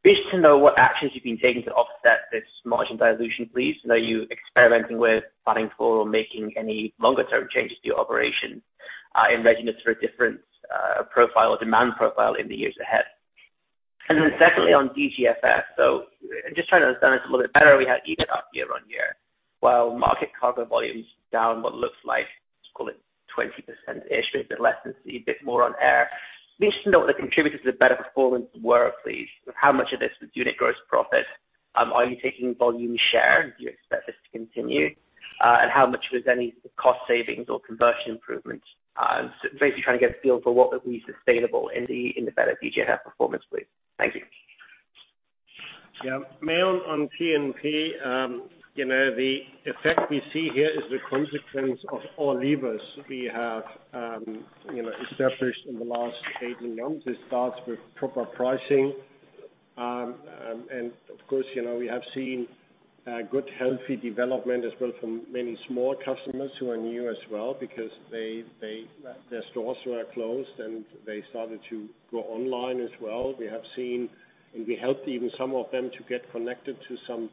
Be interested to know what actions you've been taking to offset this margin dilution, please. Are you experimenting with planning for or making any longer-term changes to your operations in readiness for a different profile or demand profile in the years ahead? Secondly, on DGFF, just trying to understand this a little bit better. We had EBITDA up year-over-year, while market cargo volumes down what looks like, let's call it 20%-ish, maybe a bit less than, see a bit more on air. Be interested to know what the contributors to the better performance were, please. How much of this was unit gross profit? Are you taking volume share? Do you expect this to continue? How much was any cost savings or conversion improvements? Basically trying to get a feel for what would be sustainable in the better DGFF performance, please. Thank you. Yeah. Me on P&P, the effect we see here is the consequence of all levers we have established in the last 18 months. It starts with proper pricing. Of course, we have seen a good, healthy development as well from many small customers who are new as well because their stores were closed, and they started to go online as well. We have seen, and we helped even some of them to get connected to some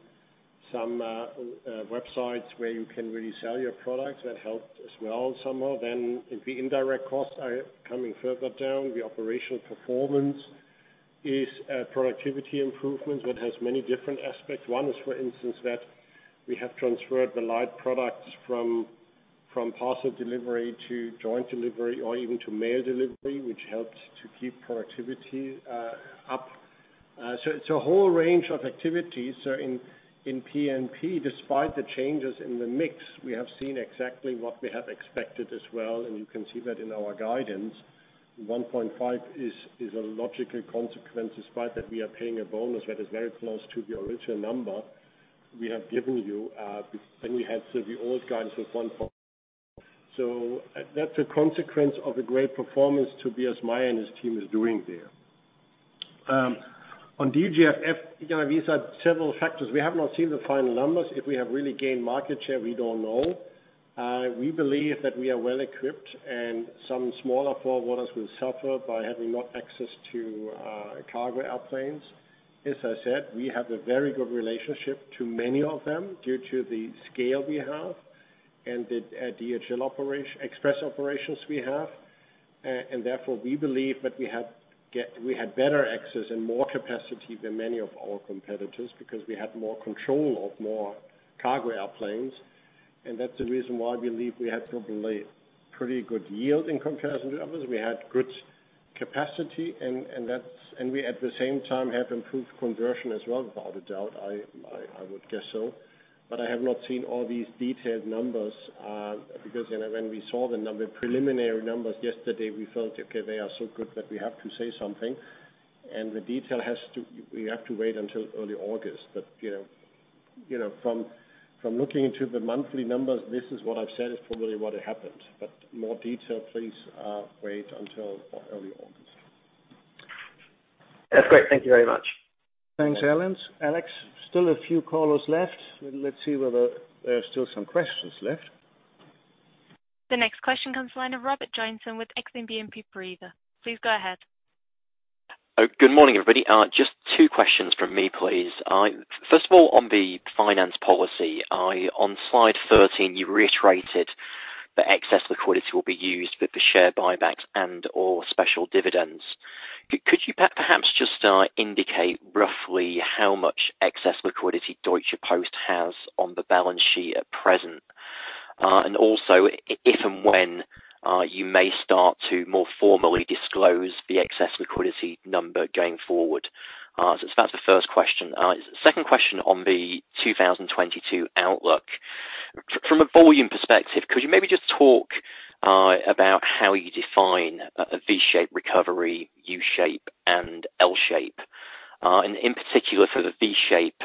websites where you can really sell your products. That helped as well somehow. The indirect costs are coming further down. The operational performance is a productivity improvement that has many different aspects. One is, for instance, that we have transferred the light products from parcel delivery to joint delivery or even to mail delivery, which helped to keep productivity up. It's a whole range of activities. In P&P, despite the changes in the mix, we have seen exactly what we have expected as well, and you can see that in our guidance. 1.5 is a logical consequence, despite that we are paying a bonus that is very close to the original number we have given you. When we had the old guidance of one point. That's a consequence of a great performance Tobias Meyer and his team is doing there. On DGFF, these are several factors. We have not seen the final numbers. If we have really gained market share, we don't know. We believe that we are well-equipped and some smaller forwarders will suffer by having not access to cargo airplanes. As I said, we have a very good relationship to many of them due to the scale we have and the DHL Express operations we have. Therefore, we believe that we had better access and more capacity than many of our competitors because we had more control of more cargo airplanes. That's the reason why I believe we had probably pretty good yield in comparison to others. We had good capacity, and we at the same time have improved conversion as well. Without a doubt, I would guess so. I have not seen all these detailed numbers, because when we saw the preliminary numbers yesterday, we felt, okay, they are so good that we have to say something. The detail, we have to wait until early August. From looking into the monthly numbers, this is what I've said is probably what happened. More detail, please wait until early August. That's great. Thank you very much. Thanks, Alex. Still a few callers left. Let's see whether there are still some questions left. The next question comes from the line of Robert Joynson with Exane BNP Paribas. Please go ahead. Oh, good morning, everybody. Just two questions from me, please. First of all, on the finance policy, on slide 13, you reiterated that excess liquidity will be used for the share buybacks and/or special dividends. Could you perhaps just indicate roughly how much excess liquidity Deutsche Post has on the balance sheet at present? Also if and when you may start to more formally disclose the excess liquidity number going forward. That's the first question. Second question on the 2022 outlook. From a volume perspective, could you maybe just talk about how you define a V-shaped recovery, U-shape and L-shape? In particular for the V-shape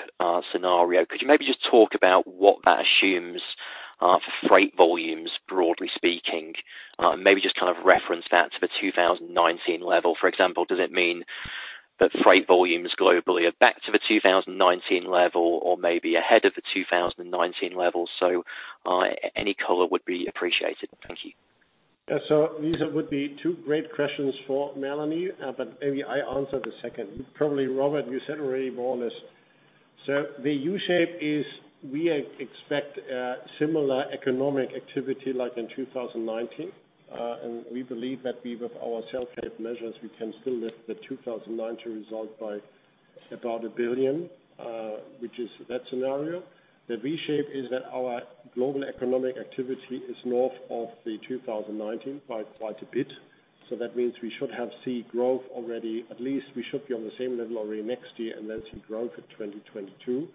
scenario, could you maybe just talk about what that assumes for freight volumes, broadly speaking? Maybe just reference that to the 2019 level. For example, does it mean that freight volumes globally are back to the 2019 level or maybe ahead of the 2019 levels? Any color would be appreciated. Thank you. These would be two great questions for Melanie, but maybe I answer the second. Probably, Robert, you said already more or less. The U-shape is we expect similar economic activity like in 2019. We believe that with our [self-care measures], we can still lift the 2019 result by about 1 billion, which is that scenario. The V-shape is that our global economic activity is north of the 2019 by quite a bit. That means we should have seen growth already. At least we should be on the same level already next year, then see growth at 2022.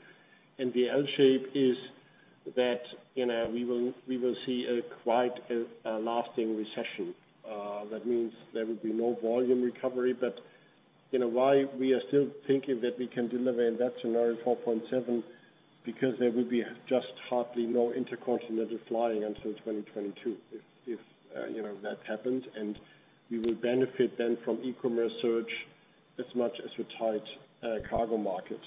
The L-shape is that we will see a quite lasting recession. That means there will be no volume recovery. Why we are still thinking that we can deliver in that scenario 4.7, because there will be just hardly no intercontinental flying until 2022, if that happens. We will benefit then from e-commerce surge as much as a tight cargo market.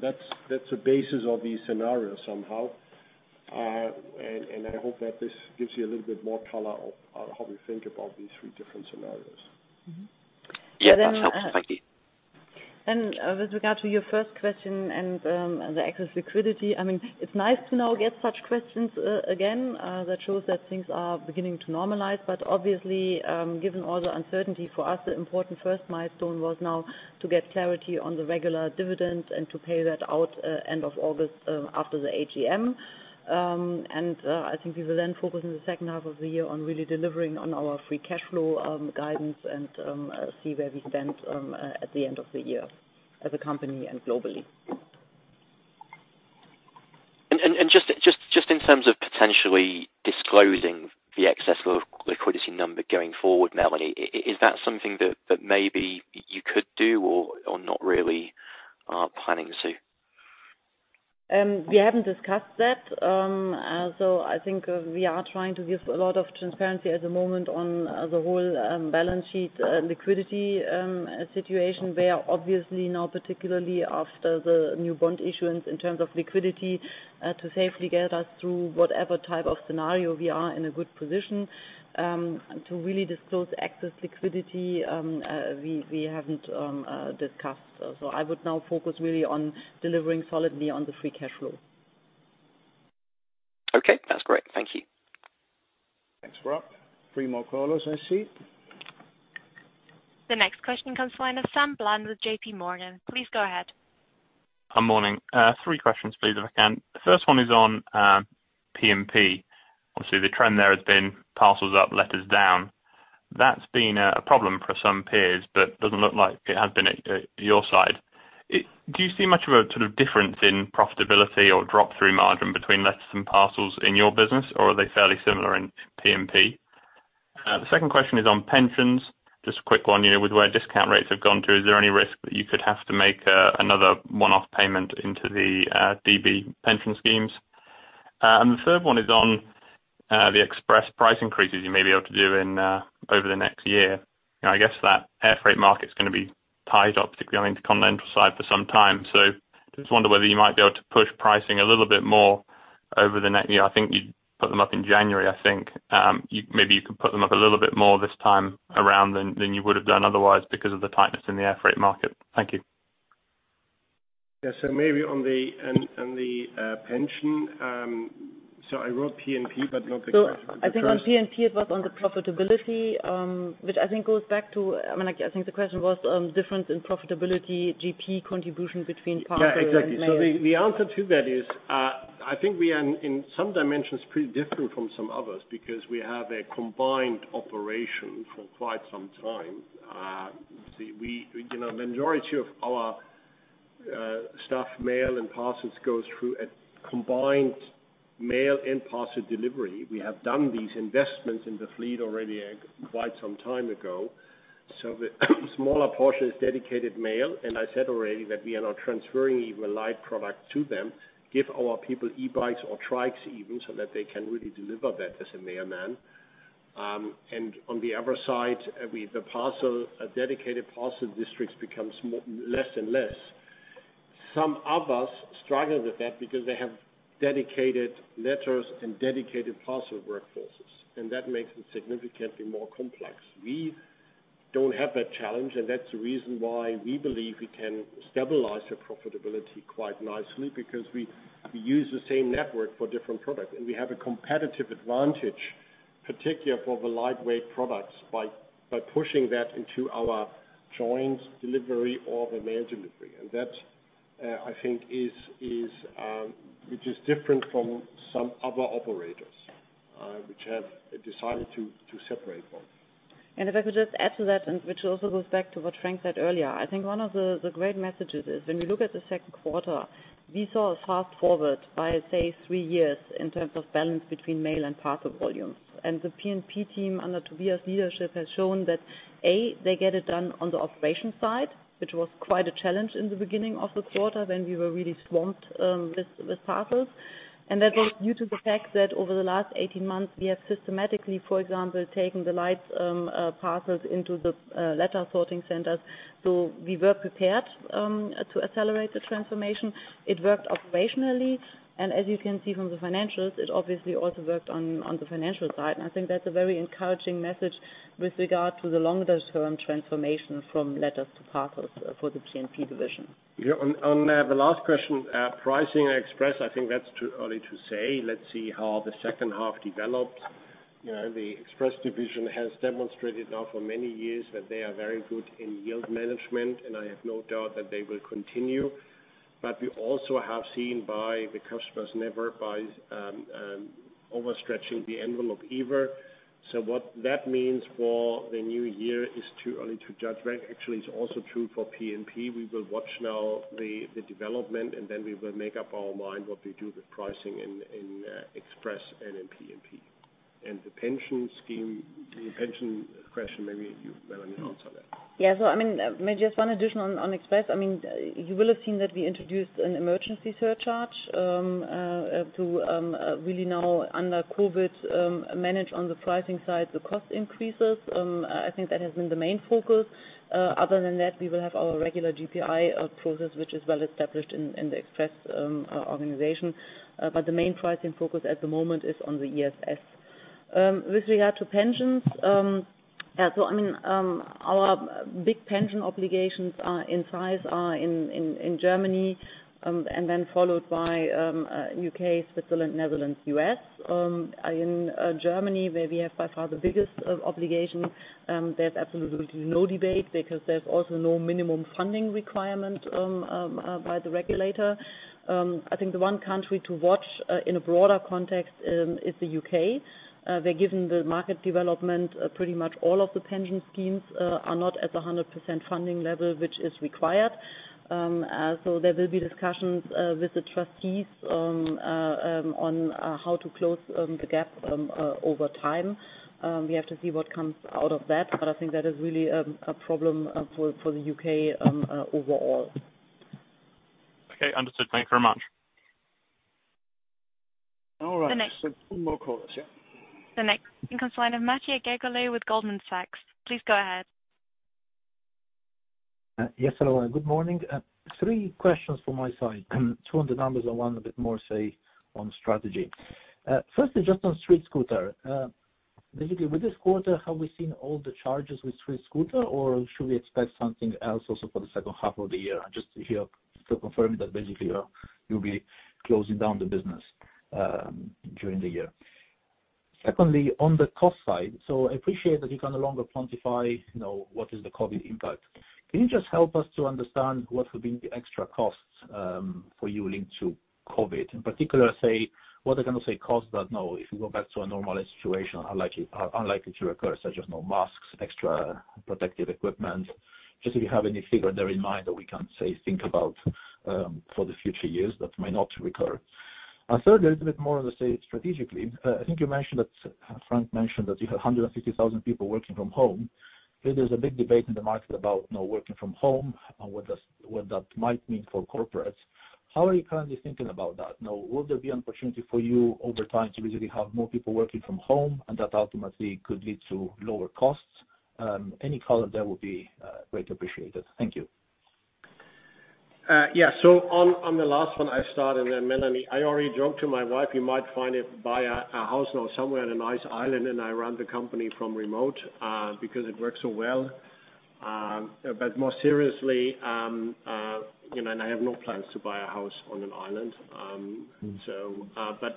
That's the basis of these scenarios somehow. I hope that this gives you a little bit more color on how we think about these three different scenarios. Mm-hmm. Yeah, that helps. Thank you. With regard to your first question and the excess liquidity, it's nice to now get such questions again. That shows that things are beginning to normalize. Obviously, given all the uncertainty, for us, the important first milestone was now to get clarity on the regular dividends and to pay that out end of August, after the AGM. I think we will then focus on the second half of the year on really delivering on our free cash flow guidance and see where we stand at the end of the year as a company and globally. Just in terms of potentially disclosing the excess liquidity number going forward, Melanie, is that something that maybe you could do or not really planning to? We haven't discussed that. I think we are trying to give a lot of transparency at the moment on the whole balance sheet liquidity situation. We are obviously now, particularly after the new bond issuance in terms of liquidity, to safely get us through whatever type of scenario, we are in a good position. To really disclose excess liquidity, we haven't discussed. I would now focus really on delivering solidly on the free cash flow. Okay. That's great. Thank you. Thanks, Rob. Three more callers, I see. The next question comes from the line of Sam Bland with JPMorgan. Please go ahead. Morning. Three questions, please, if I can. The first one is on P&P. Obviously, the trend there has been parcels up, letters down. That's been a problem for some peers, but doesn't look like it has been at your side. Do you see much of a difference in profitability or drop through margin between letters and parcels in your business, or are they fairly similar in P&P? The second question is on pensions. Just a quick one. With the way discount rates have gone through, is there any risk that you could have to make another one-off payment into the DB pension schemes? The third one is on the express price increases you may be able to do over the next year. I guess that air freight market is going to be tied up, particularly on the continental side, for some time. Just wonder whether you might be able to push pricing a little bit more over the next year. You put them up in January, I think. Maybe you could put them up a little bit more this time around than you would have done otherwise because of the tightness in the air freight market. Thank you. Yeah. Maybe on the pension. I wrote P&P, but not the- I think on P&P, it was on the profitability, which I think goes back to, I think the question was difference in profitability, GP contribution between parcel and mail. Yeah, exactly. The answer to that is, I think we are in some dimensions pretty different from some others because we have a combined operation for quite some time. Majority of our staff mail and parcels goes through a combined mail and parcel delivery. We have done these investments in the fleet already quite some time ago. The smaller portion is dedicated mail, and I said already that we are now transferring even light product to them, give our people e-bikes or trikes even, so that they can really deliver that as a mailman. On the other side, the parcel, dedicated parcel districts becomes less and less. Some others struggle with that because they have dedicated letters and dedicated parcel workforces, and that makes it significantly more complex. We don't have that challenge, and that's the reason why we believe we can stabilize the profitability quite nicely because we use the same network for different products, and we have a competitive advantage, particularly for the lightweight products, by pushing that into our joint delivery or the mail delivery. That, I think, which is different from some other operators, which have decided to separate both. If I could just add to that, and which also goes back to what Frank said earlier, I think one of the great messages is when you look at the second quarter, we saw a fast-forward by, say, three years in terms of balance between mail and parcel volumes. The P&P team under Tobias' leadership has shown that, A, they get it done on the operation side, which was quite a challenge in the beginning of the quarter when we were really swamped with parcels. That was due to the fact that over the last 18 months, we have systematically, for example, taken the light parcels into the letter sorting centers. We were prepared to accelerate the transformation. It worked operationally, and as you can see from the financials, it obviously also worked on the financial side. I think that's a very encouraging message with regard to the longer-term transformation from letters to parcels for the P&P division. Yeah. On the last question, pricing Express, I think that's too early to say. Let's see how the second half develops. The Express division has demonstrated now for many years that they are very good in yield management, and I have no doubt that they will continue. We also have seen by the customers never overstretching the envelope either. What that means for the new year is too early to judge. Actually, it's also true for P&P. We will watch now the development, and then we will make up our mind what we do with pricing in Express and in P&P. The pension scheme, the pension question, maybe you, Melanie, answer that. Maybe just one addition on Express. You will have seen that we introduced an emergency surcharge, to really now under COVID, manage on the pricing side, the cost increases. I think that has been the main focus. Other than that, we will have our regular GPI process, which is well established in the Express organization. The main pricing focus at the moment is on the ESS. With regard to pensions, our big pension obligations in size are in Germany, and then followed by U.K., Switzerland, Netherlands, U.S. In Germany, where we have by far the biggest obligation, there's absolutely no debate because there's also no minimum funding requirement by the regulator. I think the one country to watch, in a broader context, is the U.K. There, given the market development, pretty much all of the pension schemes are not at the 100% funding level which is required. There will be discussions with the trustees on how to close the gap over time. We have to see what comes out of that, but I think that is really a problem for the U.K. overall. Okay, understood. Thank you very much. All right. The next- Two more callers, yeah. The next in the question line of Mattia Gagliardi with Goldman Sachs. Please go ahead. Yes. Hello, good morning. Three questions from my side. Two on the numbers and one a bit more, say, on strategy. Firstly, just on StreetScooter. Basically, with this quarter, have we seen all the charges with StreetScooter, or should we expect something else also for the second half of the year? Just to hear, to confirm that basically, you'll be closing down the business during the year. Secondly, on the cost side. I appreciate that you can no longer quantify what is the COVID impact. Can you just help us to understand what will be the extra costs for you linked to COVID? In particular, say, what are, kind of, say, costs that now, if you go back to a normal situation, are unlikely to recur, such as now masks, extra protective equipment. Just if you have any figure there in mind that we can, say, think about for the future years that may not recur. Thirdly, it's a bit more of a, say, strategically. I think you mentioned that, Frank mentioned that you have 150,000 people working from home. There's a big debate in the market about working from home and what that might mean for corporates. How are you currently thinking about that? Now, will there be opportunity for you over time to basically have more people working from home, and that ultimately could lead to lower costs? Any color there would be greatly appreciated. Thank you. Yeah. On the last one, I start and then Melanie. I already joked to my wife, you might find it, buy a house now somewhere in a nice island, and I run the company from remote, because it works so well. More seriously, and I have no plans to buy a house on an island.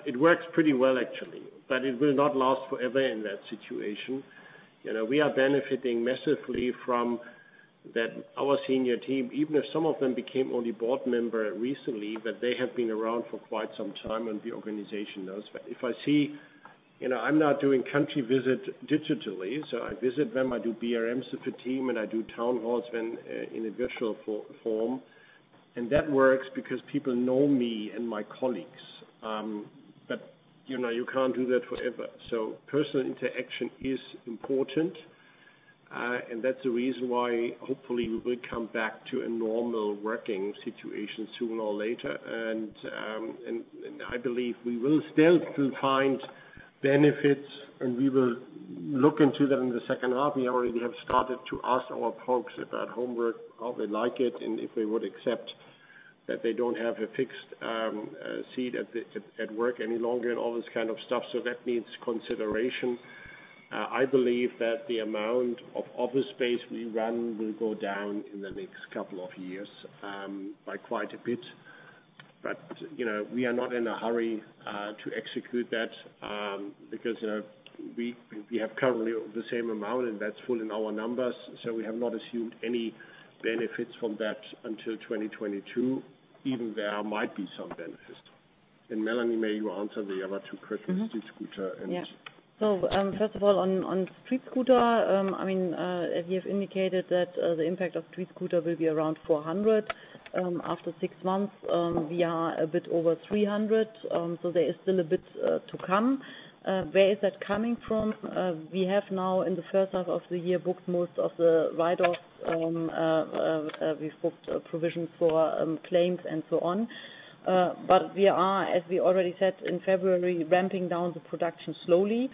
It works pretty well, actually. It will not last forever in that situation. We are benefiting massively from that. Our senior team, even if some of them became only board member recently, but they have been around for quite some time, and the organization knows. If I see, I'm now doing country visit digitally. I visit them, I do BRMs with the team, and I do town halls in a virtual form. That works because people know me and my colleagues. You can't do that forever. Personal interaction is important. That's the reason why hopefully we will come back to a normal working situation sooner or later. I believe we will still find benefits, and we will look into them in the second half. We already have started to ask our folks about homework, how they like it, and if they would accept that they don't have a fixed seat at work any longer and all this kind of stuff. That needs consideration. I believe that the amount of office space we run will go down in the next couple of years, by quite a bit. We are not in a hurry to execute that, because we have currently the same amount, and that's full in our numbers, so we have not assumed any benefits from that until 2022, even there might be some benefit. Melanie, may you answer the other two questions, StreetScooter. First of all, on StreetScooter, as you have indicated, that the impact of StreetScooter will be around 400. After six months, we are a bit over 300. There is still a bit to come. Where is that coming from? We have now, in the first half of the year, booked most of the write-offs. We've booked a provision for claims and so on. We are, as we already said, in February, ramping down the production slowly.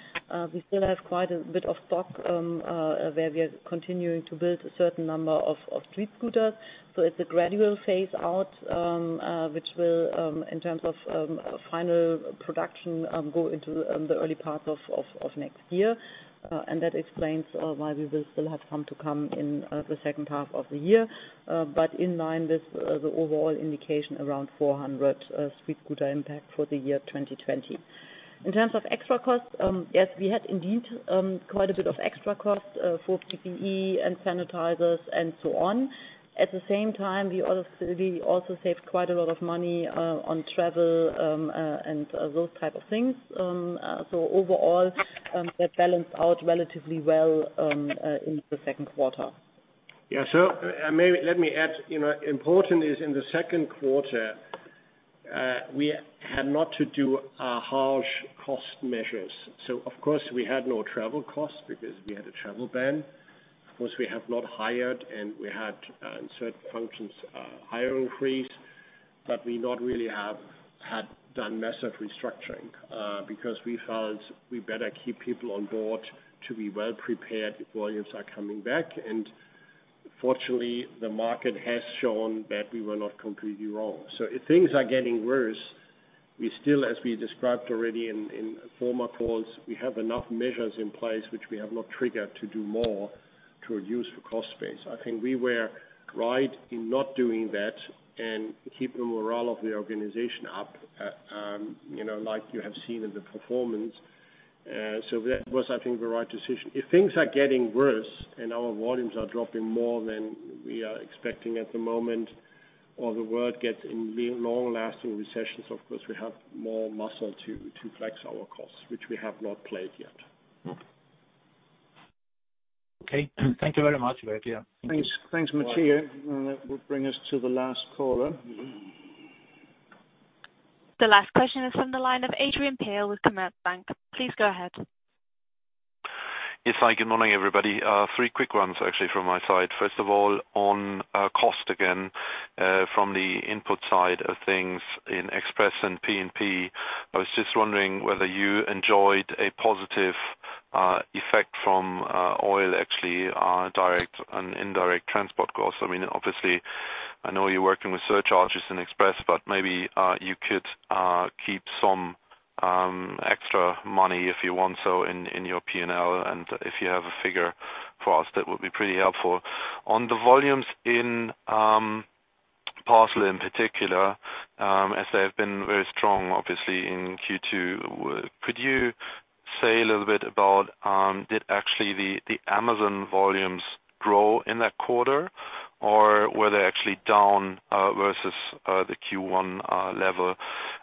We still have quite a bit of stock, where we are continuing to build a certain number of StreetScooters. It's a gradual phase-out, which will, in terms of final production, go into the early part of next year. That explains why we will still have some to come in the second half of the year. In line with the overall indication, around 400 StreetScooter impact for the year 2020. In terms of extra costs, yes, we had indeed, quite a bit of extra cost for PPE and sanitizers and so on. At the same time, we also saved quite a lot of money on travel, and those type of things. Overall, that balanced out relatively well in the second quarter. Yeah. Maybe let me add, important is in the second quarter, we had not to do harsh cost measures. Of course, we had no travel costs because we had a travel ban. Of course, we have not hired and we had, in certain functions, hire freeze, but we not really have had done massive restructuring, because we felt we better keep people on board to be well prepared if volumes are coming back. Fortunately, the market has shown that we were not completely wrong. If things are getting worse, we still, as we described already in former calls, we have enough measures in place which we have not triggered to do more to reduce the cost base. I think we were right in not doing that and keeping the morale of the organization up, like you have seen in the performance. That was, I think, the right decision. If things are getting worse and our volumes are dropping more than we are expecting at the moment, or the world gets in long-lasting recessions, of course, we have more muscle to flex our costs, which we have not played yet. Okay. Thank you very much. Over to you. Thanks, Mattia. That will bring us to the last caller. The last question is from the line of Adrian Pehl with Commerzbank. Please go ahead. Yes. Hi, good morning, everybody. Three quick ones, actually, from my side. First of all, on cost again, from the input side of things in Express and P&P, I was just wondering whether you enjoyed a positive effect from oil actually, direct and indirect transport costs. Obviously, I know you're working with surcharges in Express, but maybe you could keep some extra money if you want, so in your P&L, and if you have a figure for us, that would be pretty helpful. On the volumes in Parcel in particular, as they have been very strong, obviously, in Q2, could you say a little bit about, did actually the Amazon volumes grow in that quarter, or were they actually down, versus the Q1 level?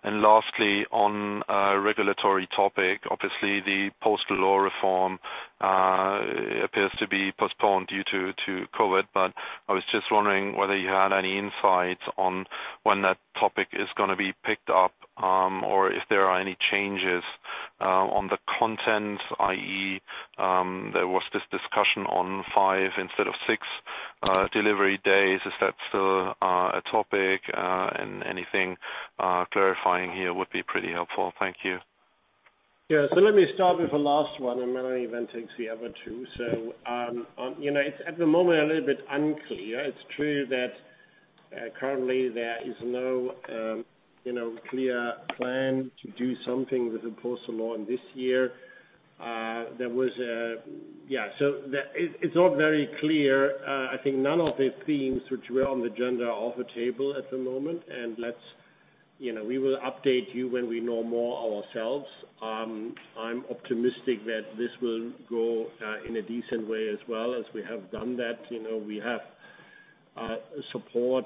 Lastly, on a regulatory topic. Obviously, the postal law reform appears to be postponed due to COVID. I was just wondering whether you had any insights on when that topic is going to be picked up, or if there are any changes on the content, i.e., there was this discussion on five instead of six delivery days. Is that still a topic? Anything clarifying here would be pretty helpful. Thank you. Yeah. Let me start with the last one, and Melanie then takes the other two. It's at the moment a little bit unclear. It's true that currently there is no clear plan to do something with the postal law in this year. It's not very clear. I think none of the themes which were on the agenda are off the table at the moment. We will update you when we know more ourselves. I'm optimistic that this will go in a decent way as well, as we have done that. We have support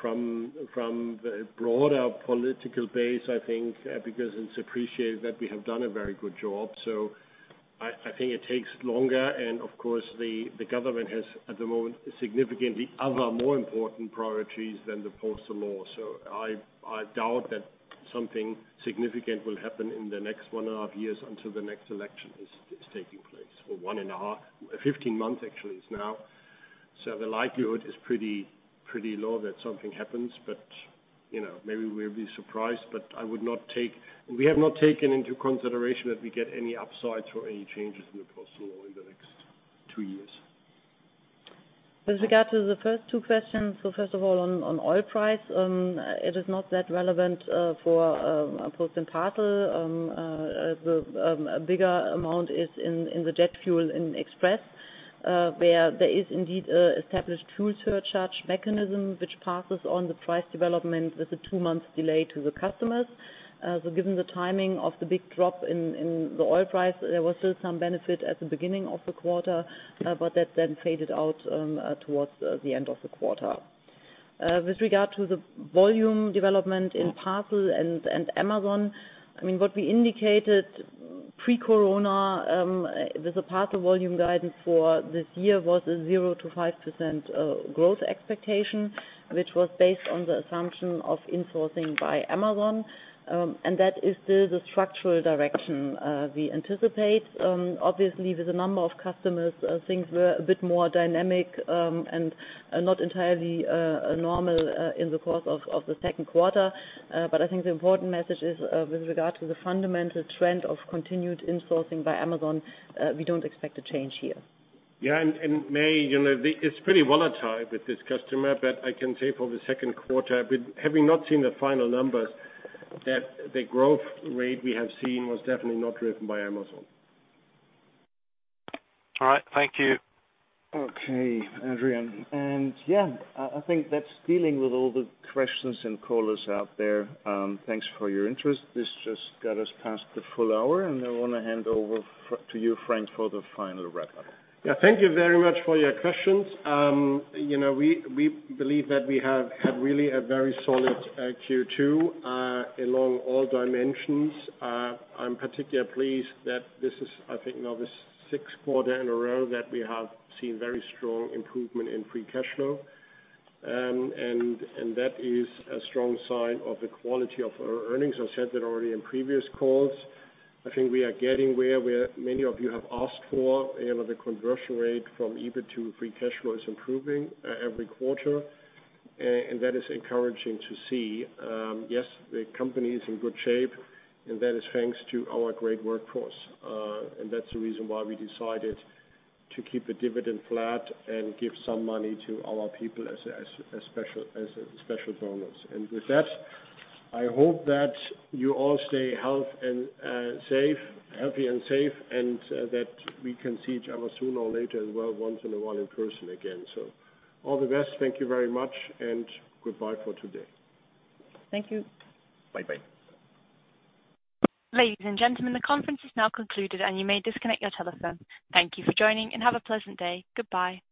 from the broader political base, I think, because it's appreciated that we have done a very good job. I think it takes longer, and of course, the government has, at the moment, significantly other, more important priorities than the postal law. I doubt that something significant will happen in the next one and a half years until the next election is taking place, or one and a half, 15 months actually, is now. The likelihood is pretty low that something happens, but maybe we'll be surprised, but we have not taken into consideration that we get any upsides or any changes in the postal law in the next two years. With regard to the first two questions, First of all, on oil price, it is not that relevant for Post and Parcel. A bigger amount is in the jet fuel in Express, where there is indeed a established fuel surcharge mechanism, which passes on the price development with a two months delay to the customers. Given the timing of the big drop in the oil price, there was still some benefit at the beginning of the quarter, but that then faded out towards the end of the quarter. With regard to the volume development in Parcel and Amazon, what we indicated pre-corona, with the parcel volume guidance for this year was a 0%-5% growth expectation, which was based on the assumption of insourcing by Amazon. That is still the structural direction we anticipate. Obviously, with a number of customers, things were a bit more dynamic, and not entirely normal in the course of the second quarter. I think the important message is with regard to the fundamental trend of continued insourcing by Amazon, we don't expect a change here. Yeah, May, it's pretty volatile with this customer, but I can say for the second quarter, having not seen the final numbers, that the growth rate we have seen was definitely not driven by Amazon. All right. Thank you. Okay, Adrian. Yeah, I think that's dealing with all the questions and callers out there. Thanks for your interest. This just got us past the full hour, and I want to hand over to you, Frank, for the final wrap-up. Yeah. Thank you very much for your questions. We believe that we have had really a very solid Q2, along all dimensions. I'm particularly pleased that this is, I mean now the sixth quarter in a row that we have seen very strong improvement in free cash flow. That is a strong sign of the quality of our earnings. I said that already in previous calls. I think we are getting where many of you have asked for, the conversion rate from EBIT to free cash flow is improving, every quarter. That is encouraging to see. Yes, the company is in good shape, and that is thanks to our great workforce. That's the reason why we decided to keep the dividend flat and give some money to our people as a special bonus. With that, I hope that you all stay healthy and safe, and that we can see each other sooner or later as well, once in a while in person again. All the best, thank you very much, and goodbye for today. Thank you. Bye-bye. Ladies and gentlemen, the conference is now concluded and you may disconnect your telephone. Thank you for joining and have a pleasant day. Goodbye.